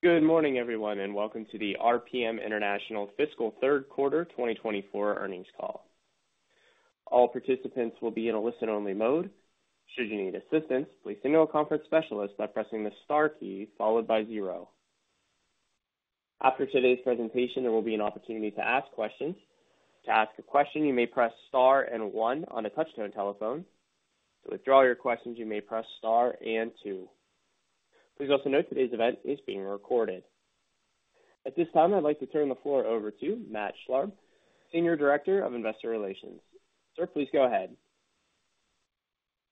Good morning, everyone, and welcome to the RPM International Fiscal Q3 2024 earnings call. All participants will be in a listen-only mode. Should you need assistance, please contact a conference specialist by pressing the star key followed by 0. After today's presentation, there will be an opportunity to ask questions. To ask a question, you may press star and 1 on a touch-tone telephone. To withdraw your questions, you may press star and 2. Please also note today's event is being recorded. At this time, I'd like to turn the floor over to Matt Schlarb, Senior Director of Investor Relations. Sir, please go ahead.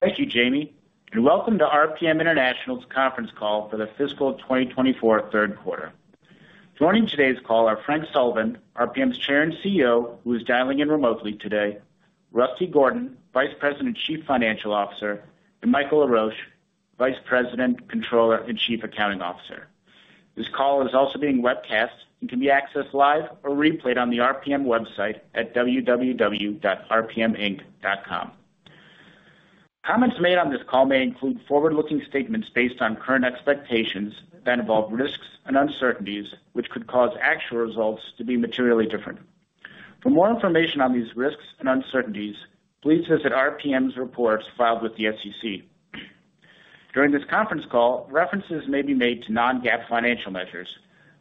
Thank you, Jamie. You're welcome to RPM International's conference call for the fiscal 2024 Q3. Joining today's call are Frank Sullivan, RPM's Chair and CEO, who is dialing in remotely today, Russell Gordon, Vice President Chief Financial Officer, and Michael Laroche, Vice President Controller and Chief Accounting Officer. This call is also being webcast and can be accessed live or replayed on the RPM website at www.rpminc.com. Comments made on this call may include forward-looking statements based on current expectations that involve risks and uncertainties, which could cause actual results to be materially different. For more information on these risks and uncertainties, please visit RPM's reports filed with the SEC. During this conference call, references may be made to non-GAAP financial measures.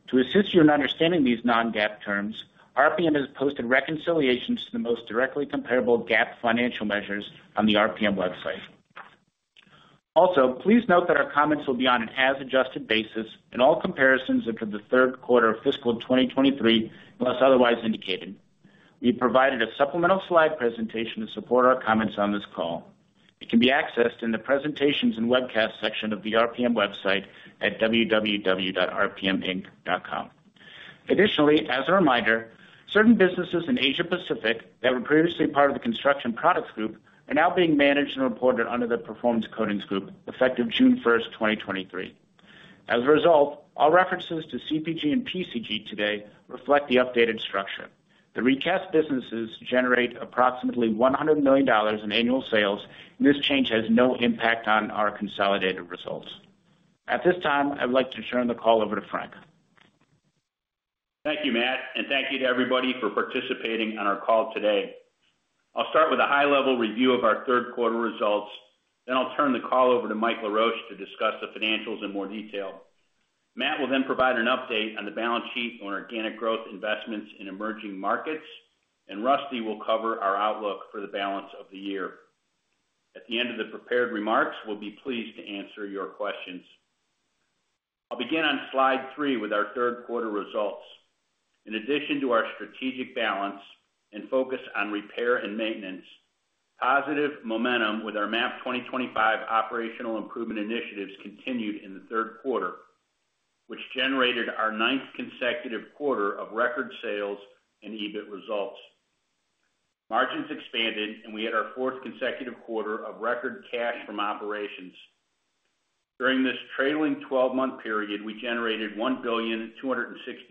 To assist you in understanding these non-GAAP terms, RPM has posted reconciliations to the most directly comparable GAAP financial measures on the RPM website. Also, please note that our comments will be on an as-adjusted basis in all comparisons into the Q3 of fiscal 2023 unless otherwise indicated. We've provided a supplemental slide presentation to support our comments on this call. It can be accessed in the presentations and webcast section of the RPM website at www.rpminc.com. Additionally, as a reminder, certain businesses in Asia-Pacific that were previously part of the Construction Products Group are now being managed and reported under the Performance Coatings Group effective June 1, 2023. As a result, all references to CPG and PCG today reflect the updated structure. The recast businesses generate approximately $100 million in annual sales, and this change has no impact on our consolidated results. At this time, I'd like to turn the call over to Frank. Thank you, Matt, and thank you to everybody for participating on our call today. I'll start with a high-level review of our Q3 results, then I'll turn the call over to Michael Laroche to discuss the financials in more detail. Matt will then provide an update on the balance sheet on organic growth investments in emerging markets, and Russell will cover our outlook for the balance of the year. At the end of the prepared remarks, we'll be pleased to answer your questions. I'll begin on slide 3 with our Q3 results. In addition to our strategic balance and focus on repair and maintenance, positive momentum with our MAP 2025 operational improvement initiatives continued in the Q3, which generated our ninth consecutive quarter of record sales and EBIT results. Margins expanded, and we had our fourth consecutive quarter of record cash from operations. During this trailing 12-month period, we generated $1,260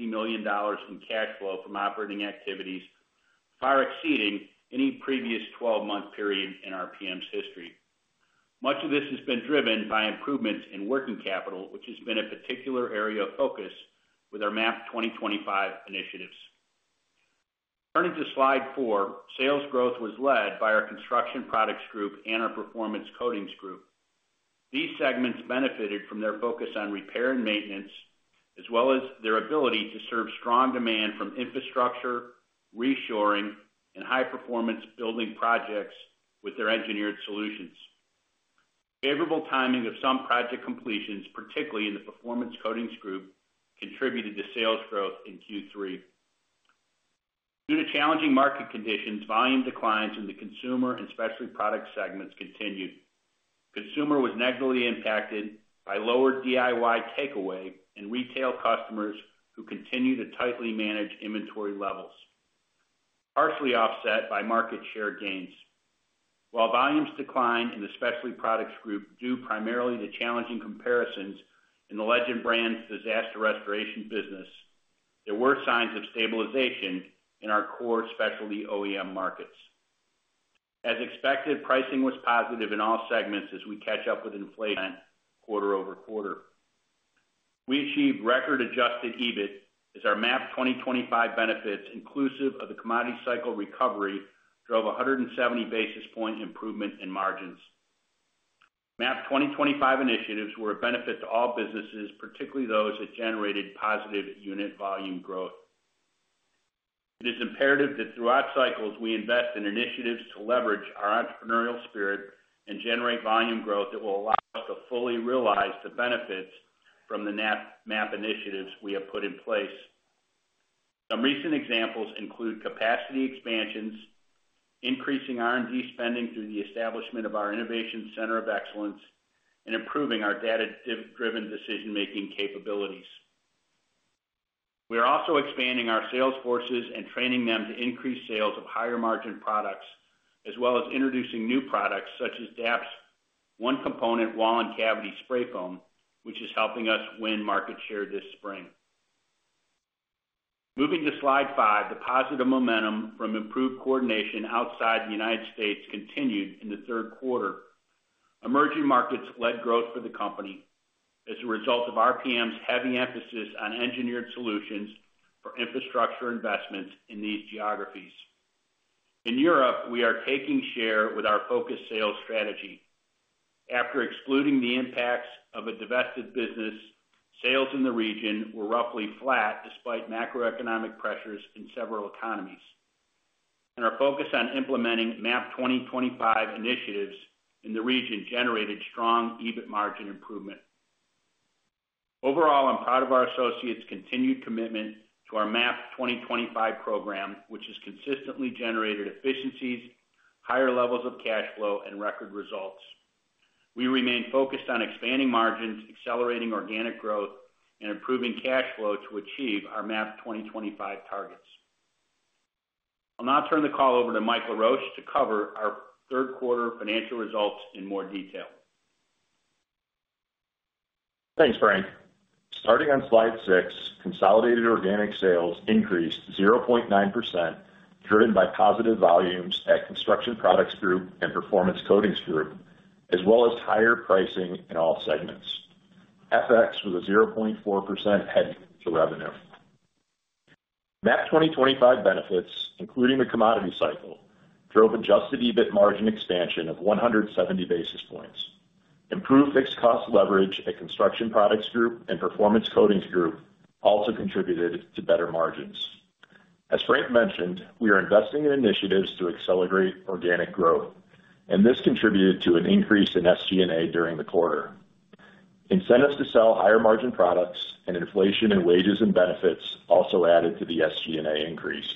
million in cash flow from operating activities, far exceeding any previous 12-month period in RPM's history. Much of this has been driven by improvements in working capital, which has been a particular area of focus with our MAP 2025 initiatives. Turning to slide 4, sales growth was led by our Construction Products Group and our Performance Coatings Group. These segments benefited from their focus on repair and maintenance, as well as their ability to serve strong demand from infrastructure, reshoring, and high-performance building projects with their engineered solutions. Favorable timing of some project completions, particularly in the Performance Coatings Group, contributed to sales growth in Q3. Due to challenging market conditions, volume declines in the consumer and specialty product segments continued. Consumer was negatively impacted by lower DIY takeaway and retail customers who continue to tightly manage inventory levels, partially offset by market share gains. While volumes decline in the Specialty Products Group due primarily to challenging comparisons in the Legend Brands' disaster restoration business, there were signs of stabilization in our core specialty OEM markets. As expected, pricing was positive in all segments as we catch up with inflation quarter-over-quarter. We achieved record adjusted EBIT as our MAP 2025 benefits, inclusive of the commodity cycle recovery, drove 170 basis point improvement in margins. MAP 2025 initiatives were a benefit to all businesses, particularly those that generated positive unit volume growth. It is imperative that throughout cycles, we invest in initiatives to leverage our entrepreneurial spirit and generate volume growth that will allow us to fully realize the benefits from the MAP initiatives we have put in place. Some recent examples include capacity expansions, increasing R&D spending through the establishment of our Innovation Center of Excellence, and improving our data-driven decision-making capabilities. We are also expanding our sales forces and training them to increase sales of higher-margin products, as well as introducing new products such as DAP One Component Wall and Cavity Spray Foam, which is helping us win market share this spring. Moving to slide 5, the positive momentum from improved coordination outside the United States continued in the Q3. Emerging markets led growth for the company as a result of RPM's heavy emphasis on engineered solutions for infrastructure investments in these geographies. In Europe, we are taking share with our focused sales strategy. After excluding the impacts of a divested business, sales in the region were roughly flat despite macroeconomic pressures in several economies, and our focus on implementing MAP 2025 initiatives in the region generated strong EBIT margin improvement. Overall, I'm proud of our associates' continued commitment to our MAP 2025 program, which has consistently generated efficiencies, higher levels of cash flow, and record results. We remain focused on expanding margins, accelerating organic growth, and improving cash flow to achieve our MAP 2025 targets. I'll now turn the call over to Michael Laroche to cover our Q3 financial results in more detail. Thanks, Frank. Starting on slide 6, consolidated organic sales increased 0.9% driven by positive volumes at Construction Products Group and Performance Coatings Group, as well as higher pricing in all segments. FX was a 0.4% headwind to revenue. MAP 2025 benefits, including the commodity cycle, drove adjusted EBIT margin expansion of 170 basis points. Improved fixed cost leverage at Construction Products Group and Performance Coatings Group also contributed to better margins. As Frank mentioned, we are investing in initiatives to accelerate organic growth, and this contributed to an increase in SG&A during the quarter. Incentives to sell higher-margin products and inflation in wages and benefits also added to the SG&A increase.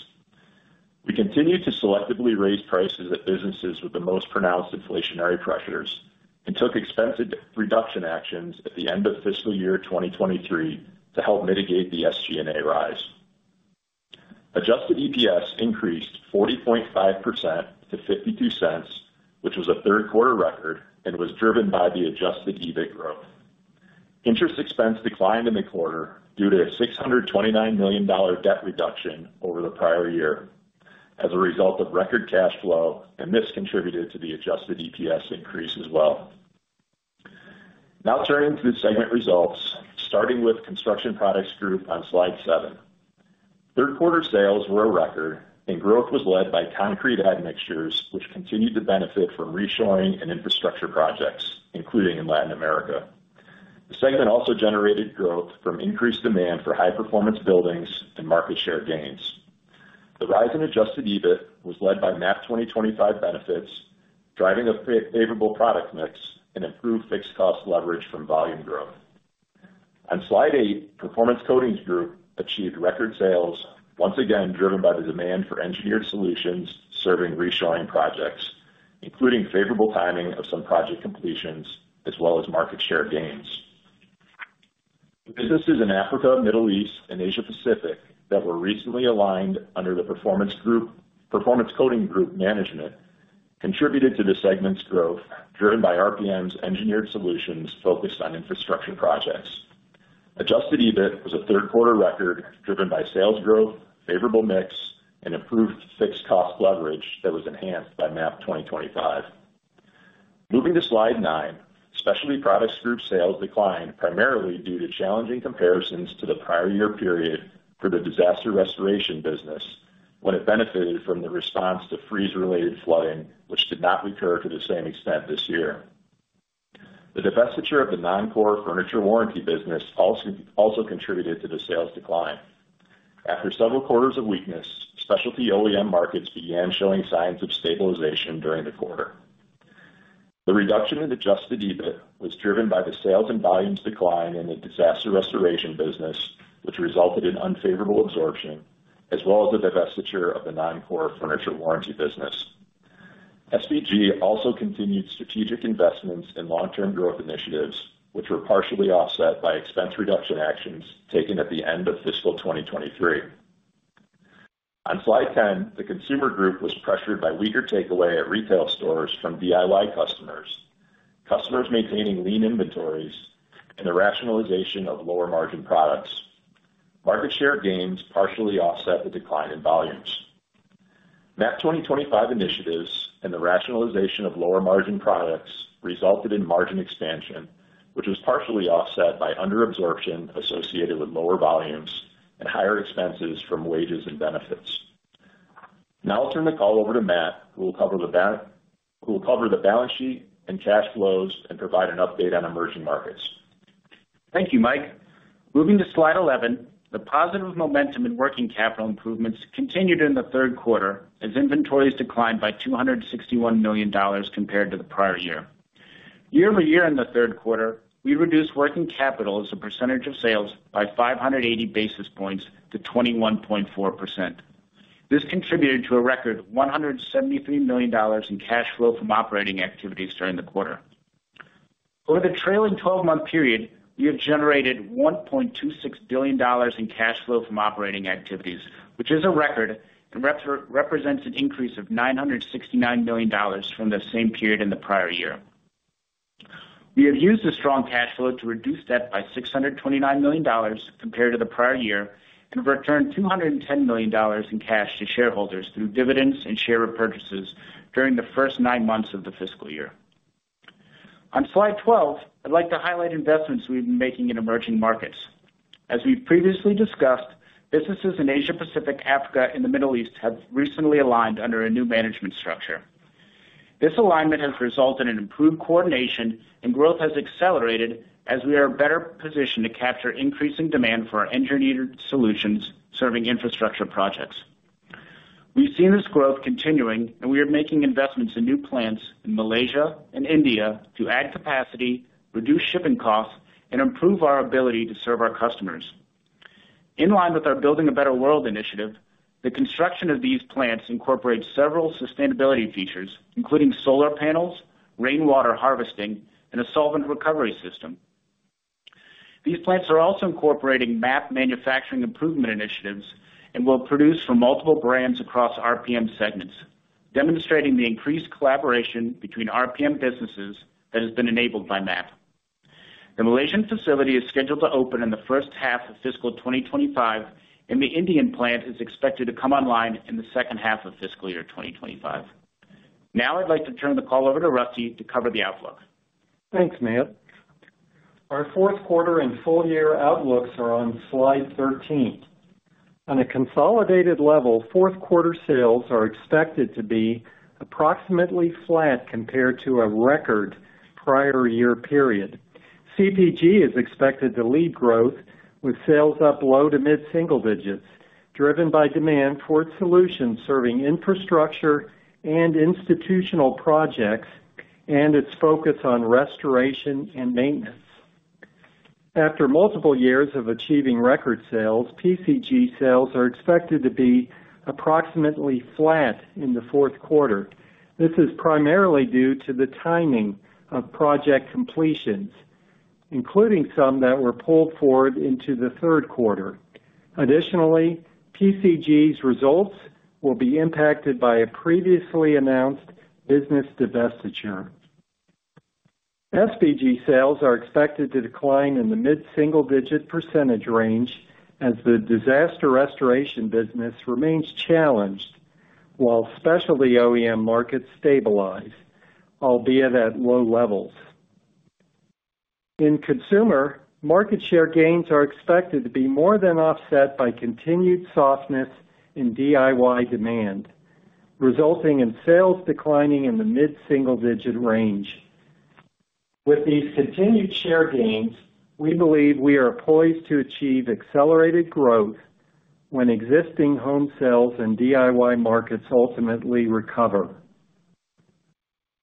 We continued to selectively raise prices at businesses with the most pronounced inflationary pressures and took expense reduction actions at the end of fiscal year 2023 to help mitigate the SG&A rise. Adjusted EPS increased 40.5% to $0.52, which was a Q3 record and was driven by the adjusted EBIT growth. Interest expense declined in the quarter due to a $629 million debt reduction over the prior year. As a result of record cash flow, and this contributed to the adjusted EPS increase as well. Now turning to the segment results, starting with Construction Products Group on slide 7. Q3 sales were a record, and growth was led by concrete admixtures, which continued to benefit from reshoring and infrastructure projects, including in Latin America. The segment also generated growth from increased demand for high-performance buildings and market share gains. The rise in adjusted EBIT was led by MAP 2025 benefits, driving a favorable product mix and improved fixed cost leverage from volume growth. On slide 8, Performance Coatings Group achieved record sales, once again driven by the demand for engineered solutions serving reshoring projects, including favorable timing of some project completions as well as market share gains. The businesses in Africa, Middle East, and Asia-Pacific that were recently aligned under the Performance Coatings Group management contributed to the segment's growth driven by RPM's engineered solutions focused on infrastructure projects. Adjusted EBIT was a Q3 record driven by sales growth, favorable mix, and improved fixed cost leverage that was enhanced by MAP 2025. Moving to slide 9, Specialty Products Group sales declined primarily due to challenging comparisons to the prior year period for the disaster restoration business when it benefited from the response to freeze-related flooding, which did not recur to the same extent this year. The divestiture of the non-core furniture warranty business also contributed to the sales decline. After several quarters of weakness, specialty OEM markets began showing signs of stabilization during the quarter. The reduction in adjusted EBIT was driven by the sales and volumes decline in the disaster restoration business, which resulted in unfavorable absorption, as well as the divestiture of the non-core furniture warranty business. SBG also continued strategic investments in long-term growth initiatives, which were partially offset by expense reduction actions taken at the end of fiscal 2023. On slide 10, the consumer group was pressured by weaker takeaway at retail stores from DIY customers, customers maintaining lean inventories, and the rationalization of lower-margin products. Market share gains partially offset the decline in volumes. MAP 2025 initiatives and the rationalization of lower-margin products resulted in margin expansion, which was partially offset by underabsorption associated with lower volumes and higher expenses from wages and benefits. Now I'll turn the call over to Matt, who will cover the balance sheet and cash flows and provide an update on emerging markets. Thank you, Mike. Moving to slide 11, the positive momentum in working capital improvements continued in the Q3 as inventories declined by $261 million compared to the prior year. Year over year in the Q3, we reduced working capital as a percentage of sales by 580 basis points to 21.4%. This contributed to a record $173 million in cash flow from operating activities during the quarter. Over the trailing 12-month period, we have generated $1.26 billion in cash flow from operating activities, which is a record and represents an increase of $969 million from the same period in the prior year. We have used the strong cash flow to reduce debt by $629 million compared to the prior year and returned $210 million in cash to shareholders through dividends and share repurchases during the first nine months of the fiscal year. On slide 12, I'd like to highlight investments we've been making in emerging markets. As we've previously discussed, businesses in Asia-Pacific, Africa, and the Middle East have recently aligned under a new management structure. This alignment has resulted in improved coordination, and growth has accelerated as we are better positioned to capture increasing demand for engineered solutions serving infrastructure projects. We've seen this growth continuing, and we are making investments in new plants in Malaysia and India to add capacity, reduce shipping costs, and improve our ability to serve our customers. In line with our Building a Better World initiative, the construction of these plants incorporates several sustainability features, including solar panels, rainwater harvesting, and a solvent recovery system. These plants are also incorporating MAP manufacturing improvement initiatives and will produce for multiple brands across RPM segments, demonstrating the increased collaboration between RPM businesses that has been enabled by MAP. The Malaysian facility is scheduled to open in the H1 of fiscal 2025, and the Indian plant is expected to come online in the H2 of fiscal year 2025. Now I'd like to turn the call over to Russell to cover the outlook. Thanks, Matt. Our Q4 and full year outlooks are on slide 13. On a consolidated level, Q4 sales are expected to be approximately flat compared to a record prior year period. CPG is expected to lead growth, with sales up low to mid-single digits, driven by demand for its solutions serving infrastructure and institutional projects and its focus on restoration and maintenance. After multiple years of achieving record sales, PCG sales are expected to be approximately flat in the Q4. This is primarily due to the timing of project completions, including some that were pulled forward into the Q3. Additionally, PCG's results will be impacted by a previously announced business divestiture. SPG sales are expected to decline in the mid-single digit percentage range as the disaster restoration business remains challenged while specialty OEM markets stabilize, albeit at low levels. In consumer, market share gains are expected to be more than offset by continued softness in DIY demand, resulting in sales declining in the mid-single-digit range. With these continued share gains, we believe we are poised to achieve accelerated growth when existing home sales and DIY markets ultimately recover.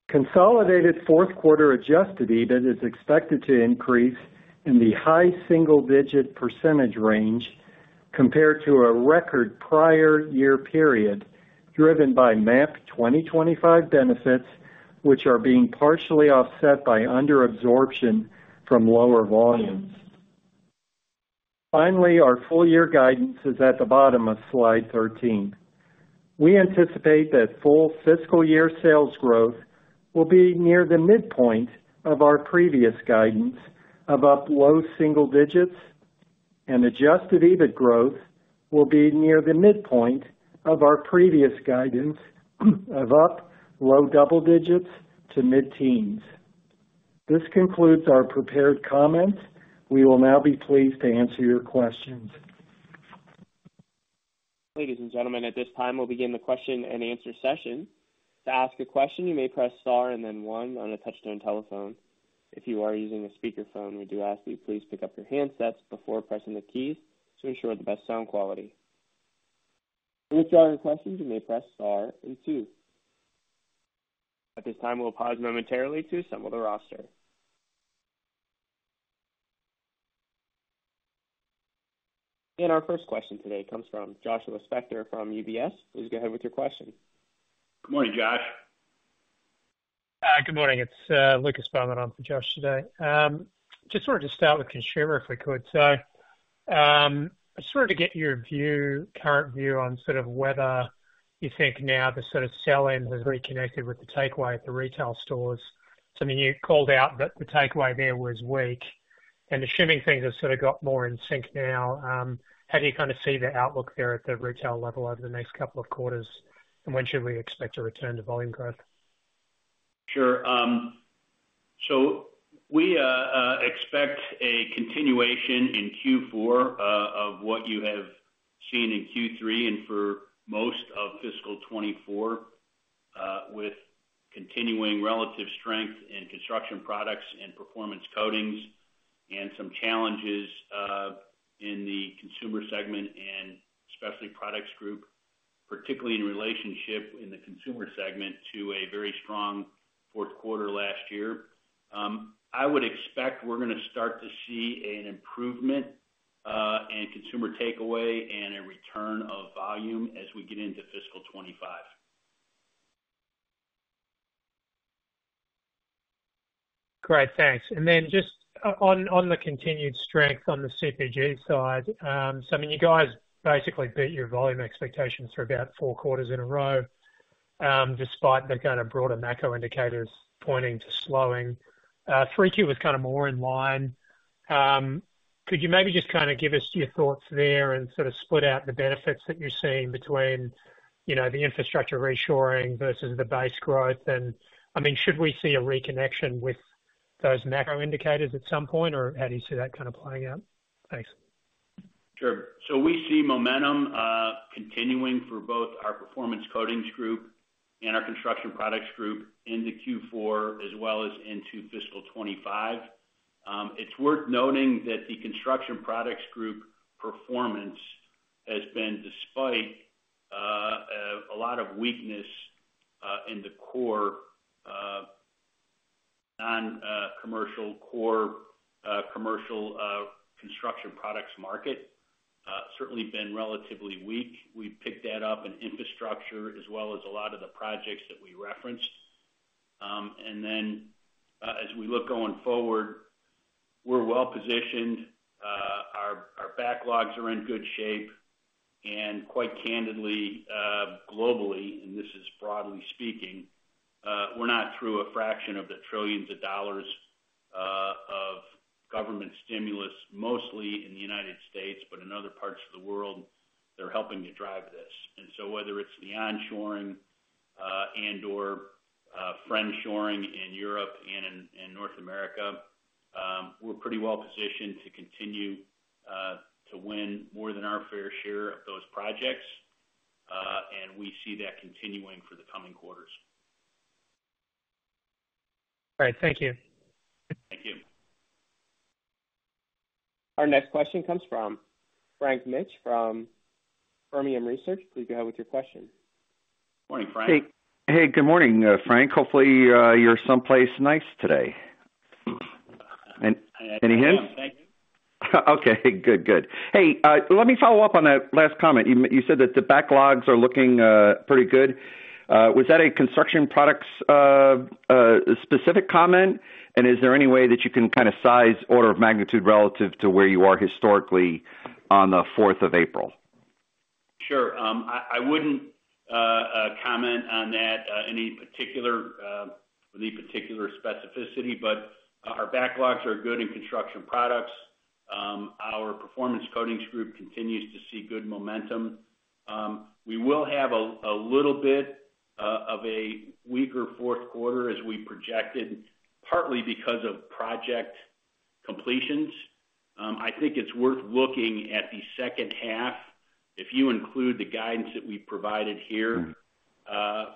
Consolidated Q4 adjusted EBIT is expected to increase in the high single-digit % range compared to a record prior year period driven by MAP 2025 benefits, which are being partially offset by underabsorption from lower volumes. Finally, our full year guidance is at the bottom of slide 13. We anticipate that full fiscal year sales growth will be near the midpoint of our previous guidance of up low single-digits, and adjusted EBIT growth will be near the midpoint of our previous guidance of up low double-digits to mid-teens. This concludes our prepared comments. We will now be pleased to answer your questions. Ladies and gentlemen, at this time, we'll begin the question and answer session. To ask a question, you may press star and then one on a touch-tone telephone. If you are using a speakerphone, we do ask that you please pick up your handsets before pressing the keys to ensure the best sound quality. To withdraw your questions, you may press star and two. At this time, we'll pause momentarily to compile the roster. Our first question today comes from Joshua Spector from UBS. Please go ahead with your question. Good morning, Josh. Good morning. It's Lucas Baumann. I'm for Josh today. Just wanted to start with consumer if we could. So I just wanted to get your current view on sort of whether you think now the sort of sell-in has reconnected with the takeaway at the retail stores. I mean, you called out that the takeaway there was weak, and assuming things have sort of got more in sync now, how do you kind of see the outlook there at the retail level over the next couple of quarters, and when should we expect a return to volume growth? Sure. So we expect a continuation in Q4 of what you have seen in Q3 and for most of fiscal 2024 with continuing relative strength in construction products and performance coatings and some challenges in the consumer segment and Specialty Products Group, particularly in relationship in the consumer segment to a very strong Q4 last year. I would expect we're going to start to see an improvement in consumer takeaway and a return of volume as we get into fiscal 2025. Great. Thanks. And then just on the continued strength on the CPG side, so I mean, you guys basically beat your volume expectations for about four quarters in a row despite the kind of broader macro indicators pointing to slowing. 3Q was kind of more in line. Could you maybe just kind of give us your thoughts there and sort of split out the benefits that you're seeing between the infrastructure reshoring versus the base growth? And I mean, should we see a reconnection with those macro indicators at some point, or how do you see that kind of playing out? Thanks. Sure. So we see momentum continuing for both our Performance Coatings Group and our Construction Products Group into Q4 as well as into fiscal 2025. It's worth noting that the Construction Products Group performance has been despite a lot of weakness in the core non-commercial core commercial construction products market, certainly been relatively weak. We've picked that up in infrastructure as well as a lot of the projects that we referenced. And then as we look going forward, we're well positioned. Our backlogs are in good shape. And quite candidly, globally, and this is broadly speaking, we're not through a fraction of the trillions of dollars of government stimulus, mostly in the United States, but in other parts of the world, they're helping to drive this. And so whether it's the onshoring and/or friendshoring in Europe and North America, we're pretty well positioned to continue to win more than our fair share of those projects. We see that continuing for the coming quarters. All right. Thank you. Thank you. Our next question comes from Frank Mitsch from Fermium Research.. Please go ahead with your question. Morning, Frank. Hey, good morning, Frank. Hopefully, you're someplace nice today. Any hints? I am. Thank you. Okay. Good, good. Hey, let me follow up on that last comment. You said that the backlogs are looking pretty good. Was that a construction products-specific comment? And is there any way that you can kind of size order of magnitude relative to where you are historically on the 4th of April? Sure. I wouldn't comment on that with any particular specificity, but our backlogs are good in construction products. Our performance coatings group continues to see good momentum. We will have a little bit of a weaker Q4 as we projected, partly because of project completions. I think it's worth looking at the H2, if you include the guidance that we provided here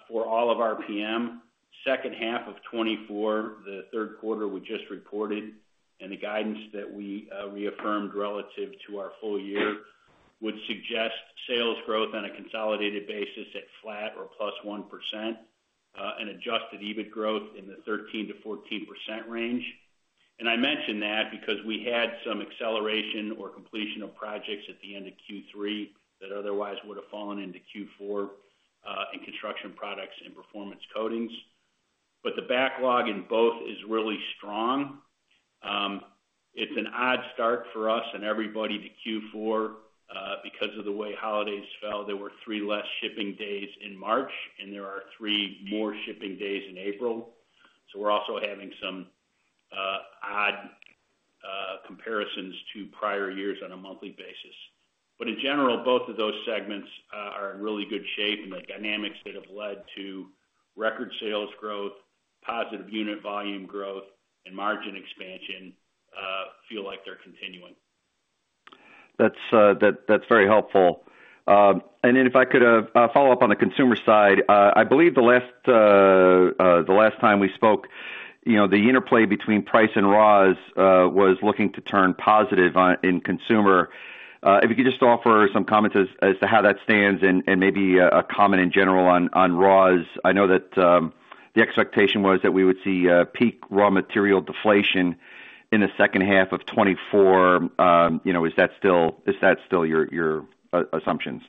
for all of RPM. H2 of 2024, the Q3 we just reported, and the guidance that we reaffirmed relative to our full year would suggest sales growth on a consolidated basis at flat or +1% and adjusted EBIT growth in the 13%-14% range. And I mentioned that because we had some acceleration or completion of projects at the end of Q3 that otherwise would have fallen into Q4 in construction products and performance coatings. But the backlog in both is really strong. It's an odd start for us and everybody to Q4 because of the way holidays fell. There were 3 less shipping days in March, and there are 3 more shipping days in April. So we're also having some odd comparisons to prior years on a monthly basis. But in general, both of those segments are in really good shape, and the dynamics that have led to record sales growth, positive unit volume growth, and margin expansion feel like they're continuing. That's very helpful. Then if I could follow up on the consumer side, I believe the last time we spoke, the interplay between price and raws was looking to turn positive in consumer. If you could just offer some comments as to how that stands and maybe a comment in general on raws. I know that the expectation was that we would see peak raw material deflation in the H2 of 2024. Is that still your assumptions?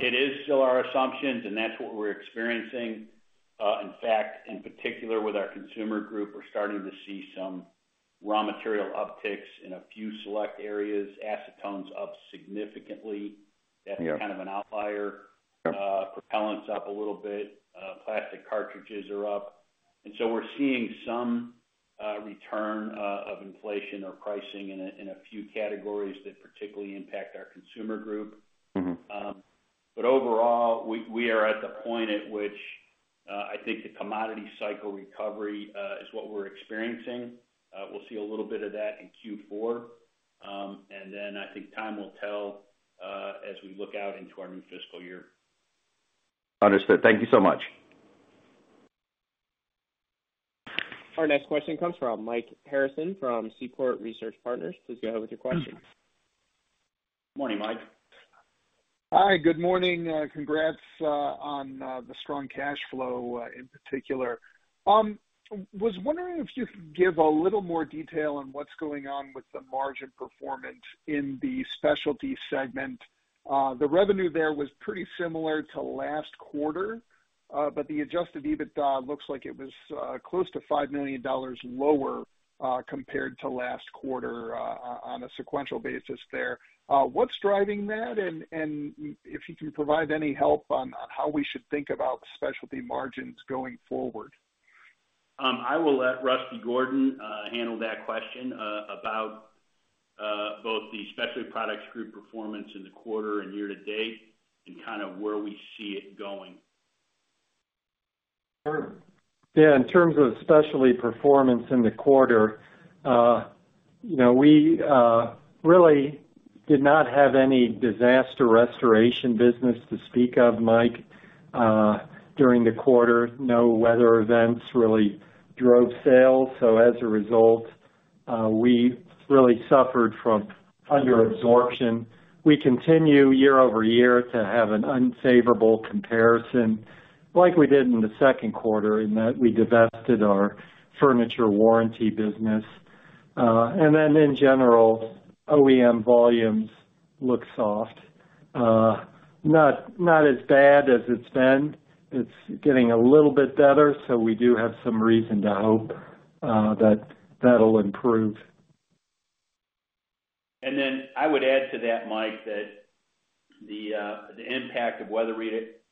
It is still our assumptions, and that's what we're experiencing. In fact, in particular with our consumer group, we're starting to see some raw material upticks in a few select areas. Acetone's up significantly. That's kind of an outlier. Propellants up a little bit. Plastic cartridges are up. And so we're seeing some return of inflation or pricing in a few categories that particularly impact our consumer group. But overall, we are at the point at which I think the commodity cycle recovery is what we're experiencing. We'll see a little bit of that in Q4. And then I think time will tell as we look out into our new fiscal year. Understood. Thank you so much. Our next question comes from Mike Harrison from Seaport Research Partners. Please go ahead with your question. Morning, Mike. Hi. Good morning. Congrats on the strong cash flow in particular. I was wondering if you could give a little more detail on what's going on with the margin performance in the specialty segment. The revenue there was pretty similar to last quarter, but the Adjusted EBIT looks like it was close to $5 million lower compared to last quarter on a sequential basis there. What's driving that? And if you can provide any help on how we should think about specialty margins going forward. I will let Russell Gordon handle that question about both the Specialty Products Group performance in the quarter and year to date and kind of where we see it going. Sure. Yeah. In terms of specialty performance in the quarter, we really did not have any disaster restoration business to speak of, Mike, during the quarter. No weather events really drove sales. So as a result, we really suffered from underabsorption. We continue year-over-year to have an unfavorable comparison like we did in the Q2 in that we divested our furniture warranty business. And then in general, OEM volumes look soft. Not as bad as it's been. It's getting a little bit better, so we do have some reason to hope that that'll improve. Then I would add to that, Mike, that the impact of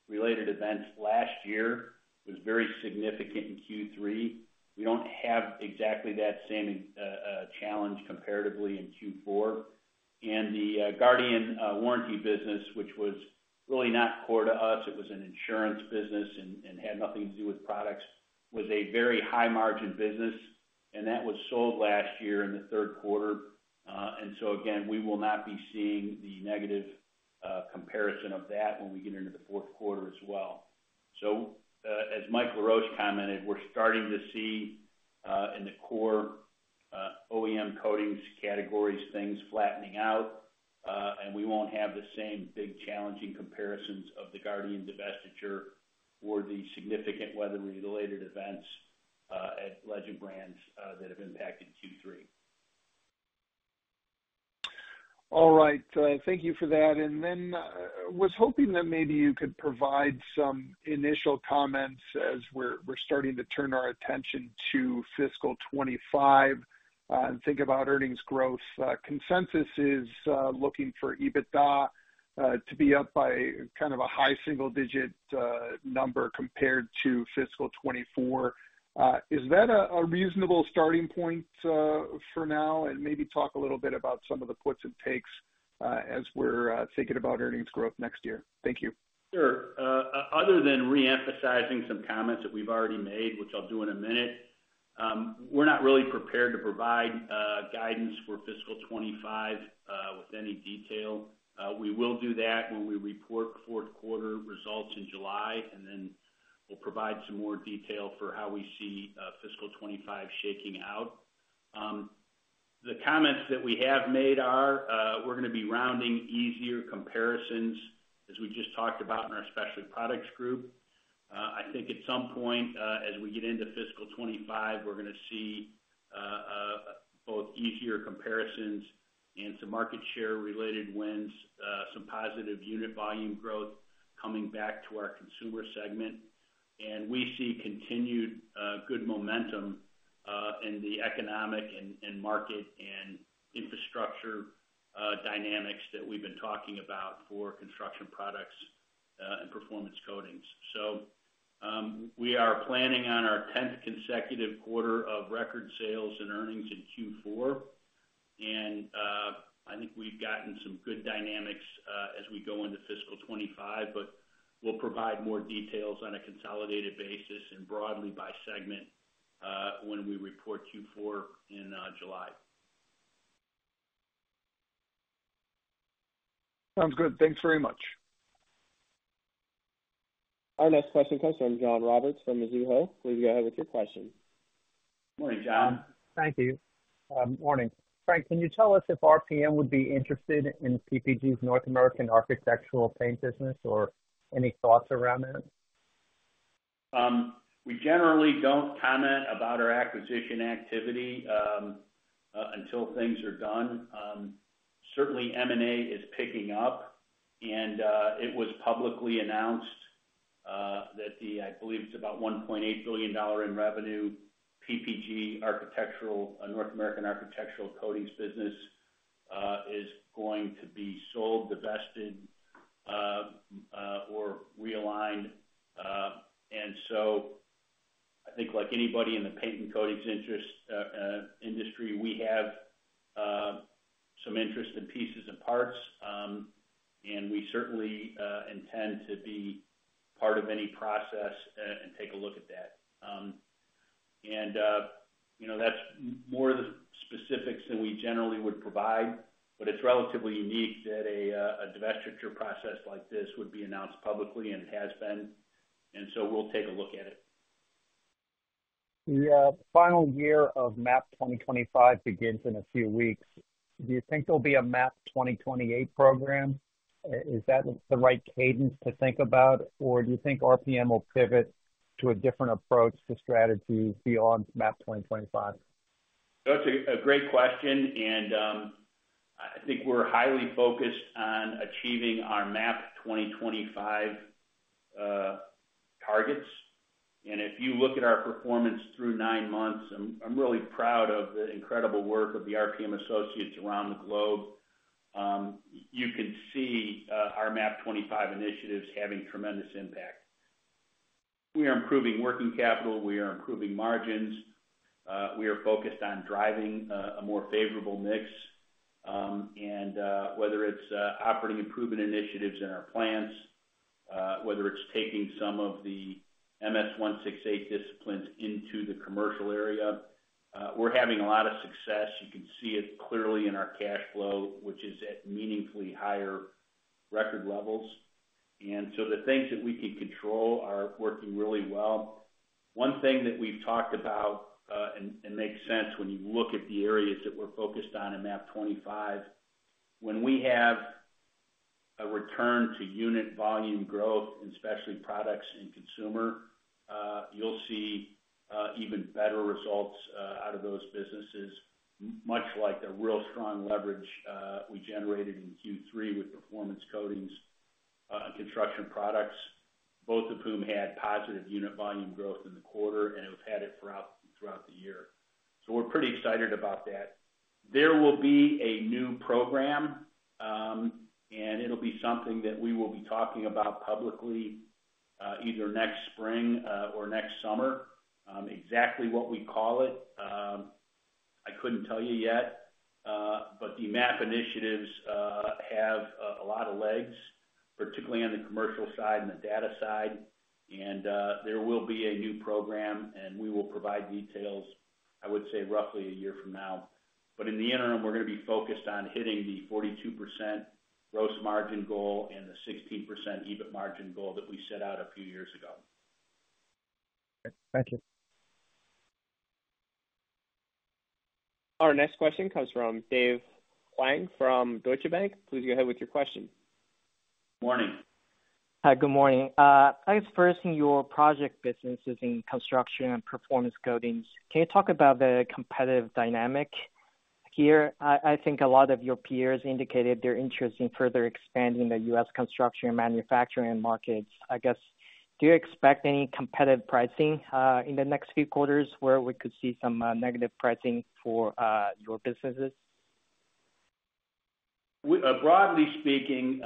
weather-related events last year was very significant in Q3. We don't have exactly that same challenge comparatively in Q4. The Guardian warranty business, which was really not core to us (it was an insurance business and had nothing to do with products), was a very high-margin business, and that was sold last year in the Q3. So again, we will not be seeing the negative comparison of that when we get into the Q4 as well. As Michael Laroche commented, we're starting to see in the core OEM coatings categories things flattening out, and we won't have the same big challenging comparisons of the Guardian divestiture or the significant weather-related events at Legend Brands that have impacted Q3. All right. Thank you for that. And then I was hoping that maybe you could provide some initial comments as we're starting to turn our attention to fiscal 2025 and think about earnings growth. Consensus is looking for EBITDA to be up by kind of a high single-digit number compared to fiscal 2024. Is that a reasonable starting point for now? And maybe talk a little bit about some of the puts and takes as we're thinking about earnings growth next year. Thank you. Sure. Other than reemphasizing some comments that we've already made, which I'll do in a minute, we're not really prepared to provide guidance for fiscal 2025 with any detail. We will do that when we report Q4 results in July, and then we'll provide some more detail for how we see fiscal 2025 shaking out. The comments that we have made are, "We're going to be rounding easier comparisons," as we just talked about in our Specialty Products Group. I think at some point as we get into fiscal 2025, we're going to see both easier comparisons and some market-share-related wins, some positive unit volume growth coming back to our consumer segment. We see continued good momentum in the economic and market and infrastructure dynamics that we've been talking about for construction products and performance coatings. We are planning on our 10th consecutive quarter of record sales and earnings in Q4. I think we've gotten some good dynamics as we go into fiscal 2025, but we'll provide more details on a consolidated basis and broadly by segment when we report Q4 in July. Sounds good. Thanks very much. Our next question comes from John Roberts from Mizuho. Please go ahead with your question. Morning, John. Thank you. Morning. Frank, can you tell us if RPM would be interested in PPG's North American architectural paint business or any thoughts around that? We generally don't comment about our acquisition activity until things are done. Certainly, M&A is picking up, and it was publicly announced that the, I believe it's about $1.8 billion in revenue, PPG North American architectural coatings business is going to be sold, divested, or realigned. And so I think like anybody in the paint and coatings industry, we have some interest in pieces and parts, and we certainly intend to be part of any process and take a look at that. And that's more of the specifics than we generally would provide, but it's relatively unique that a divestiture process like this would be announced publicly, and it has been. And so we'll take a look at it. The final year of MAP 2025 begins in a few weeks. Do you think there'll be a MAP 2028 program? Is that the right cadence to think about, or do you think RPM will pivot to a different approach to strategy beyond MAP 2025? That's a great question, and I think we're highly focused on achieving our MAP 2025 targets. If you look at our performance through nine months, I'm really proud of the incredible work of the RPM associates around the globe, you can see our MAP 2025 initiatives having tremendous impact. We are improving working capital. We are improving margins. We are focused on driving a more favorable mix. Whether it's operating improvement initiatives in our plants, whether it's taking some of the MS-168 disciplines into the commercial area, we're having a lot of success. You can see it clearly in our cash flow, which is at meaningfully higher record levels. So the things that we can control are working really well. One thing that we've talked about and makes sense when you look at the areas that we're focused on in MAP 25, when we have a return to unit volume growth in specialty products and consumer, you'll see even better results out of those businesses, much like the real strong leverage we generated in Q3 with performance coatings and construction products, both of whom had positive unit volume growth in the quarter and have had it throughout the year. So we're pretty excited about that. There will be a new program, and it'll be something that we will be talking about publicly either next spring or next summer, exactly what we call it. I couldn't tell you yet, but the MAP initiatives have a lot of legs, particularly on the commercial side and the data side. There will be a new program, and we will provide details, I would say, roughly a year from now. In the interim, we're going to be focused on hitting the 42% gross margin goal and the 16% EBIT margin goal that we set out a few years ago. Okay. Thank you. Our next question comes from Dave Huang from Deutsche Bank. Please go ahead with your question. Morning. Hi. Good morning. I guess first, in your project businesses in construction and performance coatings, can you talk about the competitive dynamic here? I think a lot of your peers indicated their interest in further expanding the U.S. construction and manufacturing markets. I guess, do you expect any competitive pricing in the next few quarters where we could see some negative pricing for your businesses? Broadly speaking,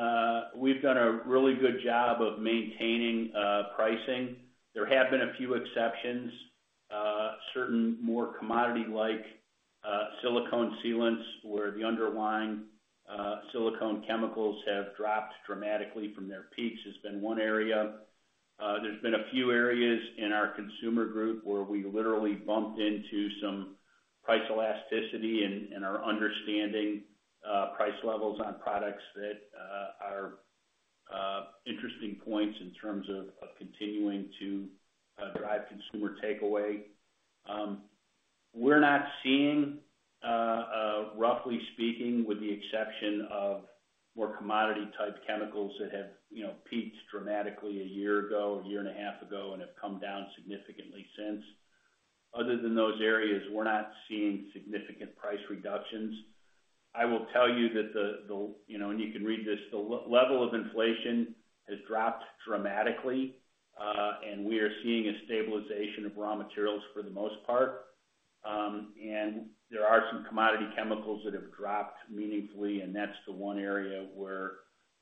we've done a really good job of maintaining pricing. There have been a few exceptions, certain more commodity-like silicone sealants where the underlying silicone chemicals have dropped dramatically from their peaks has been one area. There's been a few areas in our consumer group where we literally bumped into some price elasticity in our understanding price levels on products that are interesting points in terms of continuing to drive consumer takeaway. We're not seeing, roughly speaking, with the exception of more commodity-type chemicals that have peaked dramatically a year ago, a year and a half ago, and have come down significantly since. Other than those areas, we're not seeing significant price reductions. I will tell you that the and you can read this. The level of inflation has dropped dramatically, and we are seeing a stabilization of raw materials for the most part. There are some commodity chemicals that have dropped meaningfully, and that's the one area where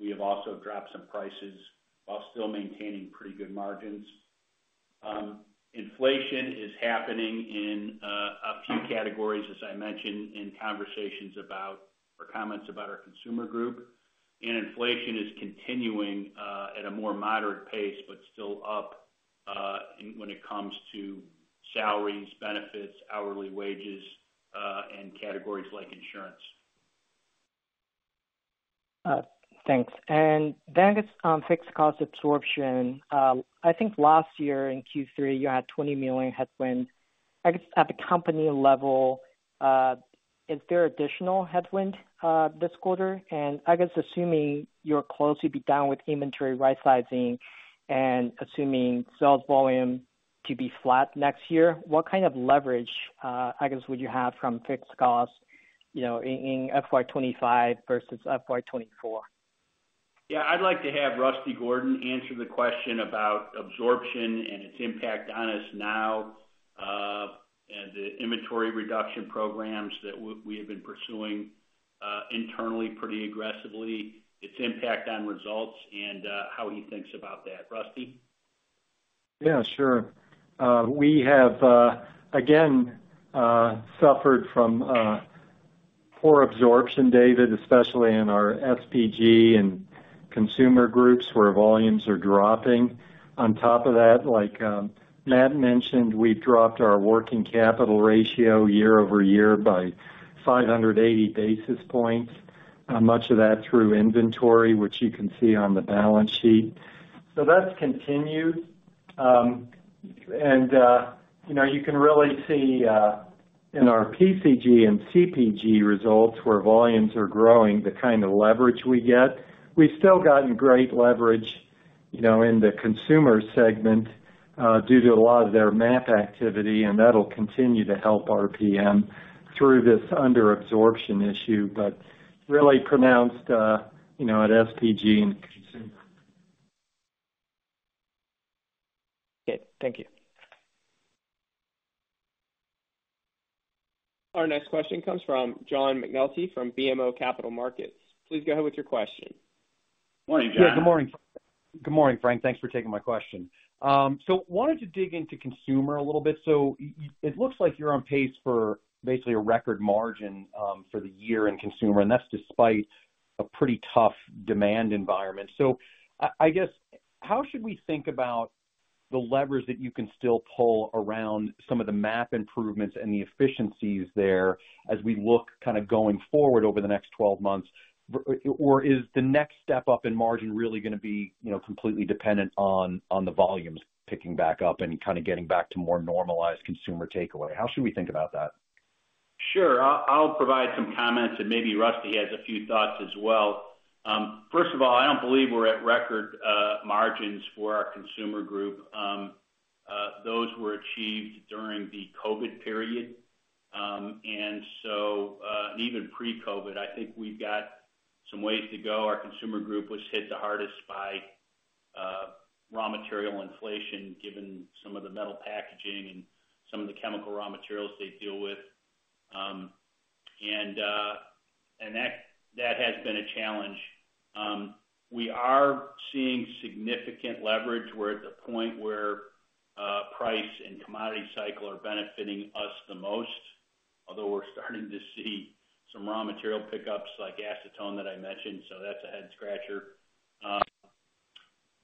we have also dropped some prices while still maintaining pretty good margins. Inflation is happening in a few categories, as I mentioned, in conversations about or comments about our consumer group. Inflation is continuing at a more moderate pace but still up when it comes to salaries, benefits, hourly wages, and categories like insurance. Thanks. And then I guess fixed cost absorption. I think last year in Q3, you had $20 million headwind. I guess at the company level, is there additional headwind this quarter? And I guess assuming you're closely bed down with inventory right-sizing and assuming sales volume to be flat next year, what kind of leverage, I guess, would you have from fixed costs in FY25 versus FY24? Yeah. I'd like to have Russell Gordon answer the question about absorption and its impact on us now and the inventory reduction programs that we have been pursuing internally pretty aggressively, its impact on results and how he thinks about that. Russell? Yeah. Sure. We have, again, suffered from poor absorption, David, especially in our SPG and consumer groups where volumes are dropping. On top of that, like Matt mentioned, we've dropped our working capital ratio year-over-year by 580 basis points, much of that through inventory, which you can see on the balance sheet. So that's continued. And you can really see in our PCG and CPG results where volumes are growing the kind of leverage we get. We've still gotten great leverage in the consumer segment due to a lot of their MAP activity, and that'll continue to help RPM through this underabsorption issue, but really pronounced at SPG and consumer. Okay. Thank you. Our next question comes from John McNulty from BMO Capital Markets. Please go ahead with your question. Morning, John. Yeah. Good morning, Frank. Thanks for taking my question. So wanted to dig into consumer a little bit. So it looks like you're on pace for basically a record margin for the year in consumer, and that's despite a pretty tough demand environment. So I guess how should we think about the levers that you can still pull around some of the MAP improvements and the efficiencies there as we look kind of going forward over the next 12 months? Or is the next step up in margin really going to be completely dependent on the volumes picking back up and kind of getting back to more normalized consumer takeaway? How should we think about that? Sure. I'll provide some comments, and maybe Russell has a few thoughts as well. First of all, I don't believe we're at record margins for our consumer group. Those were achieved during the COVID period and even pre-COVID. I think we've got some ways to go. Our consumer group was hit the hardest by raw material inflation given some of the metal packaging and some of the chemical raw materials they deal with. And that has been a challenge. We are seeing significant leverage. We're at the point where price and commodity cycle are benefiting us the most, although we're starting to see some raw material pickups like acetone that I mentioned. So that's a head-scratcher.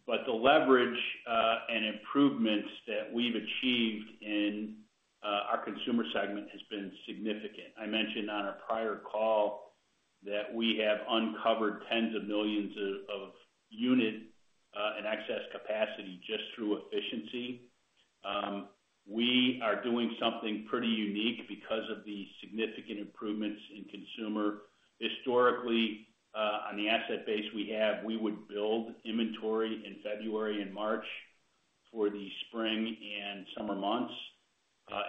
But the leverage and improvements that we've achieved in our consumer segment has been significant. I mentioned on our prior call that we have uncovered tens of millions of units and excess capacity just through efficiency. We are doing something pretty unique because of the significant improvements in consumer. Historically, on the asset base we have, we would build inventory in February and March for the spring and summer months.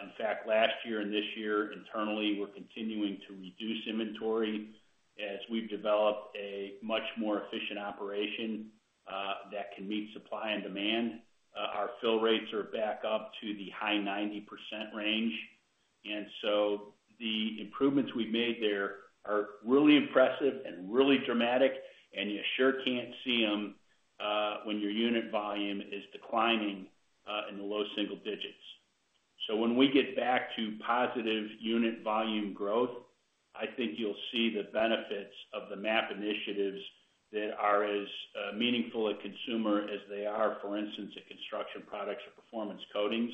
In fact, last year and this year, internally, we're continuing to reduce inventory as we've developed a much more efficient operation that can meet supply and demand. Our fill rates are back up to the high 90% range. So the improvements we've made there are really impressive and really dramatic, and you sure can't see them when your unit volume is declining in the low single digits. So when we get back to positive unit volume growth, I think you'll see the benefits of the MAP initiatives that are as meaningful a consumer as they are, for instance, at construction products or performance coatings.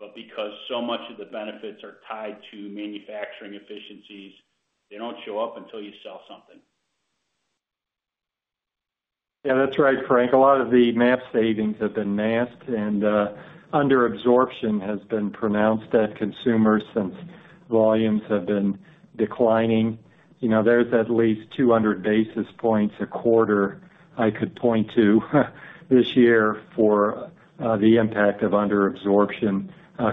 But because so much of the benefits are tied to manufacturing efficiencies, they don't show up until you sell something. Yeah. That's right, Frank. A lot of the MAP savings have been offset, and underabsorption has been pronounced at consumers since volumes have been declining. There's at least 200 basis points a quarter I could point to this year for the impact of underabsorption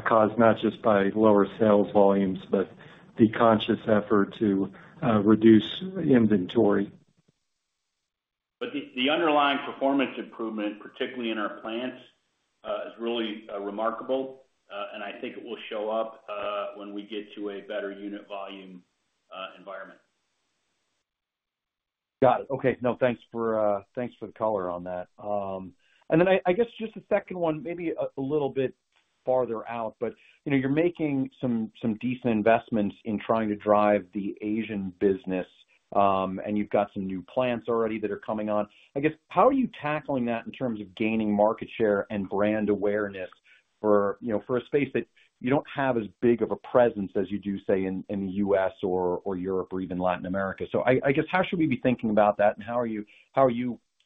caused not just by lower sales volumes but the conscious effort to reduce inventory. But the underlying performance improvement, particularly in our plants, is really remarkable, and I think it will show up when we get to a better unit volume environment. Got it. Okay. No. Thanks for the color on that. And then I guess just the second one, maybe a little bit farther out, but you're making some decent investments in trying to drive the Asian business, and you've got some new plants already that are coming on. I guess how are you tackling that in terms of gaining market share and brand awareness for a space that you don't have as big of a presence as you do, say, in the U.S. or Europe or even Latin America? So I guess how should we be thinking about that, and how are you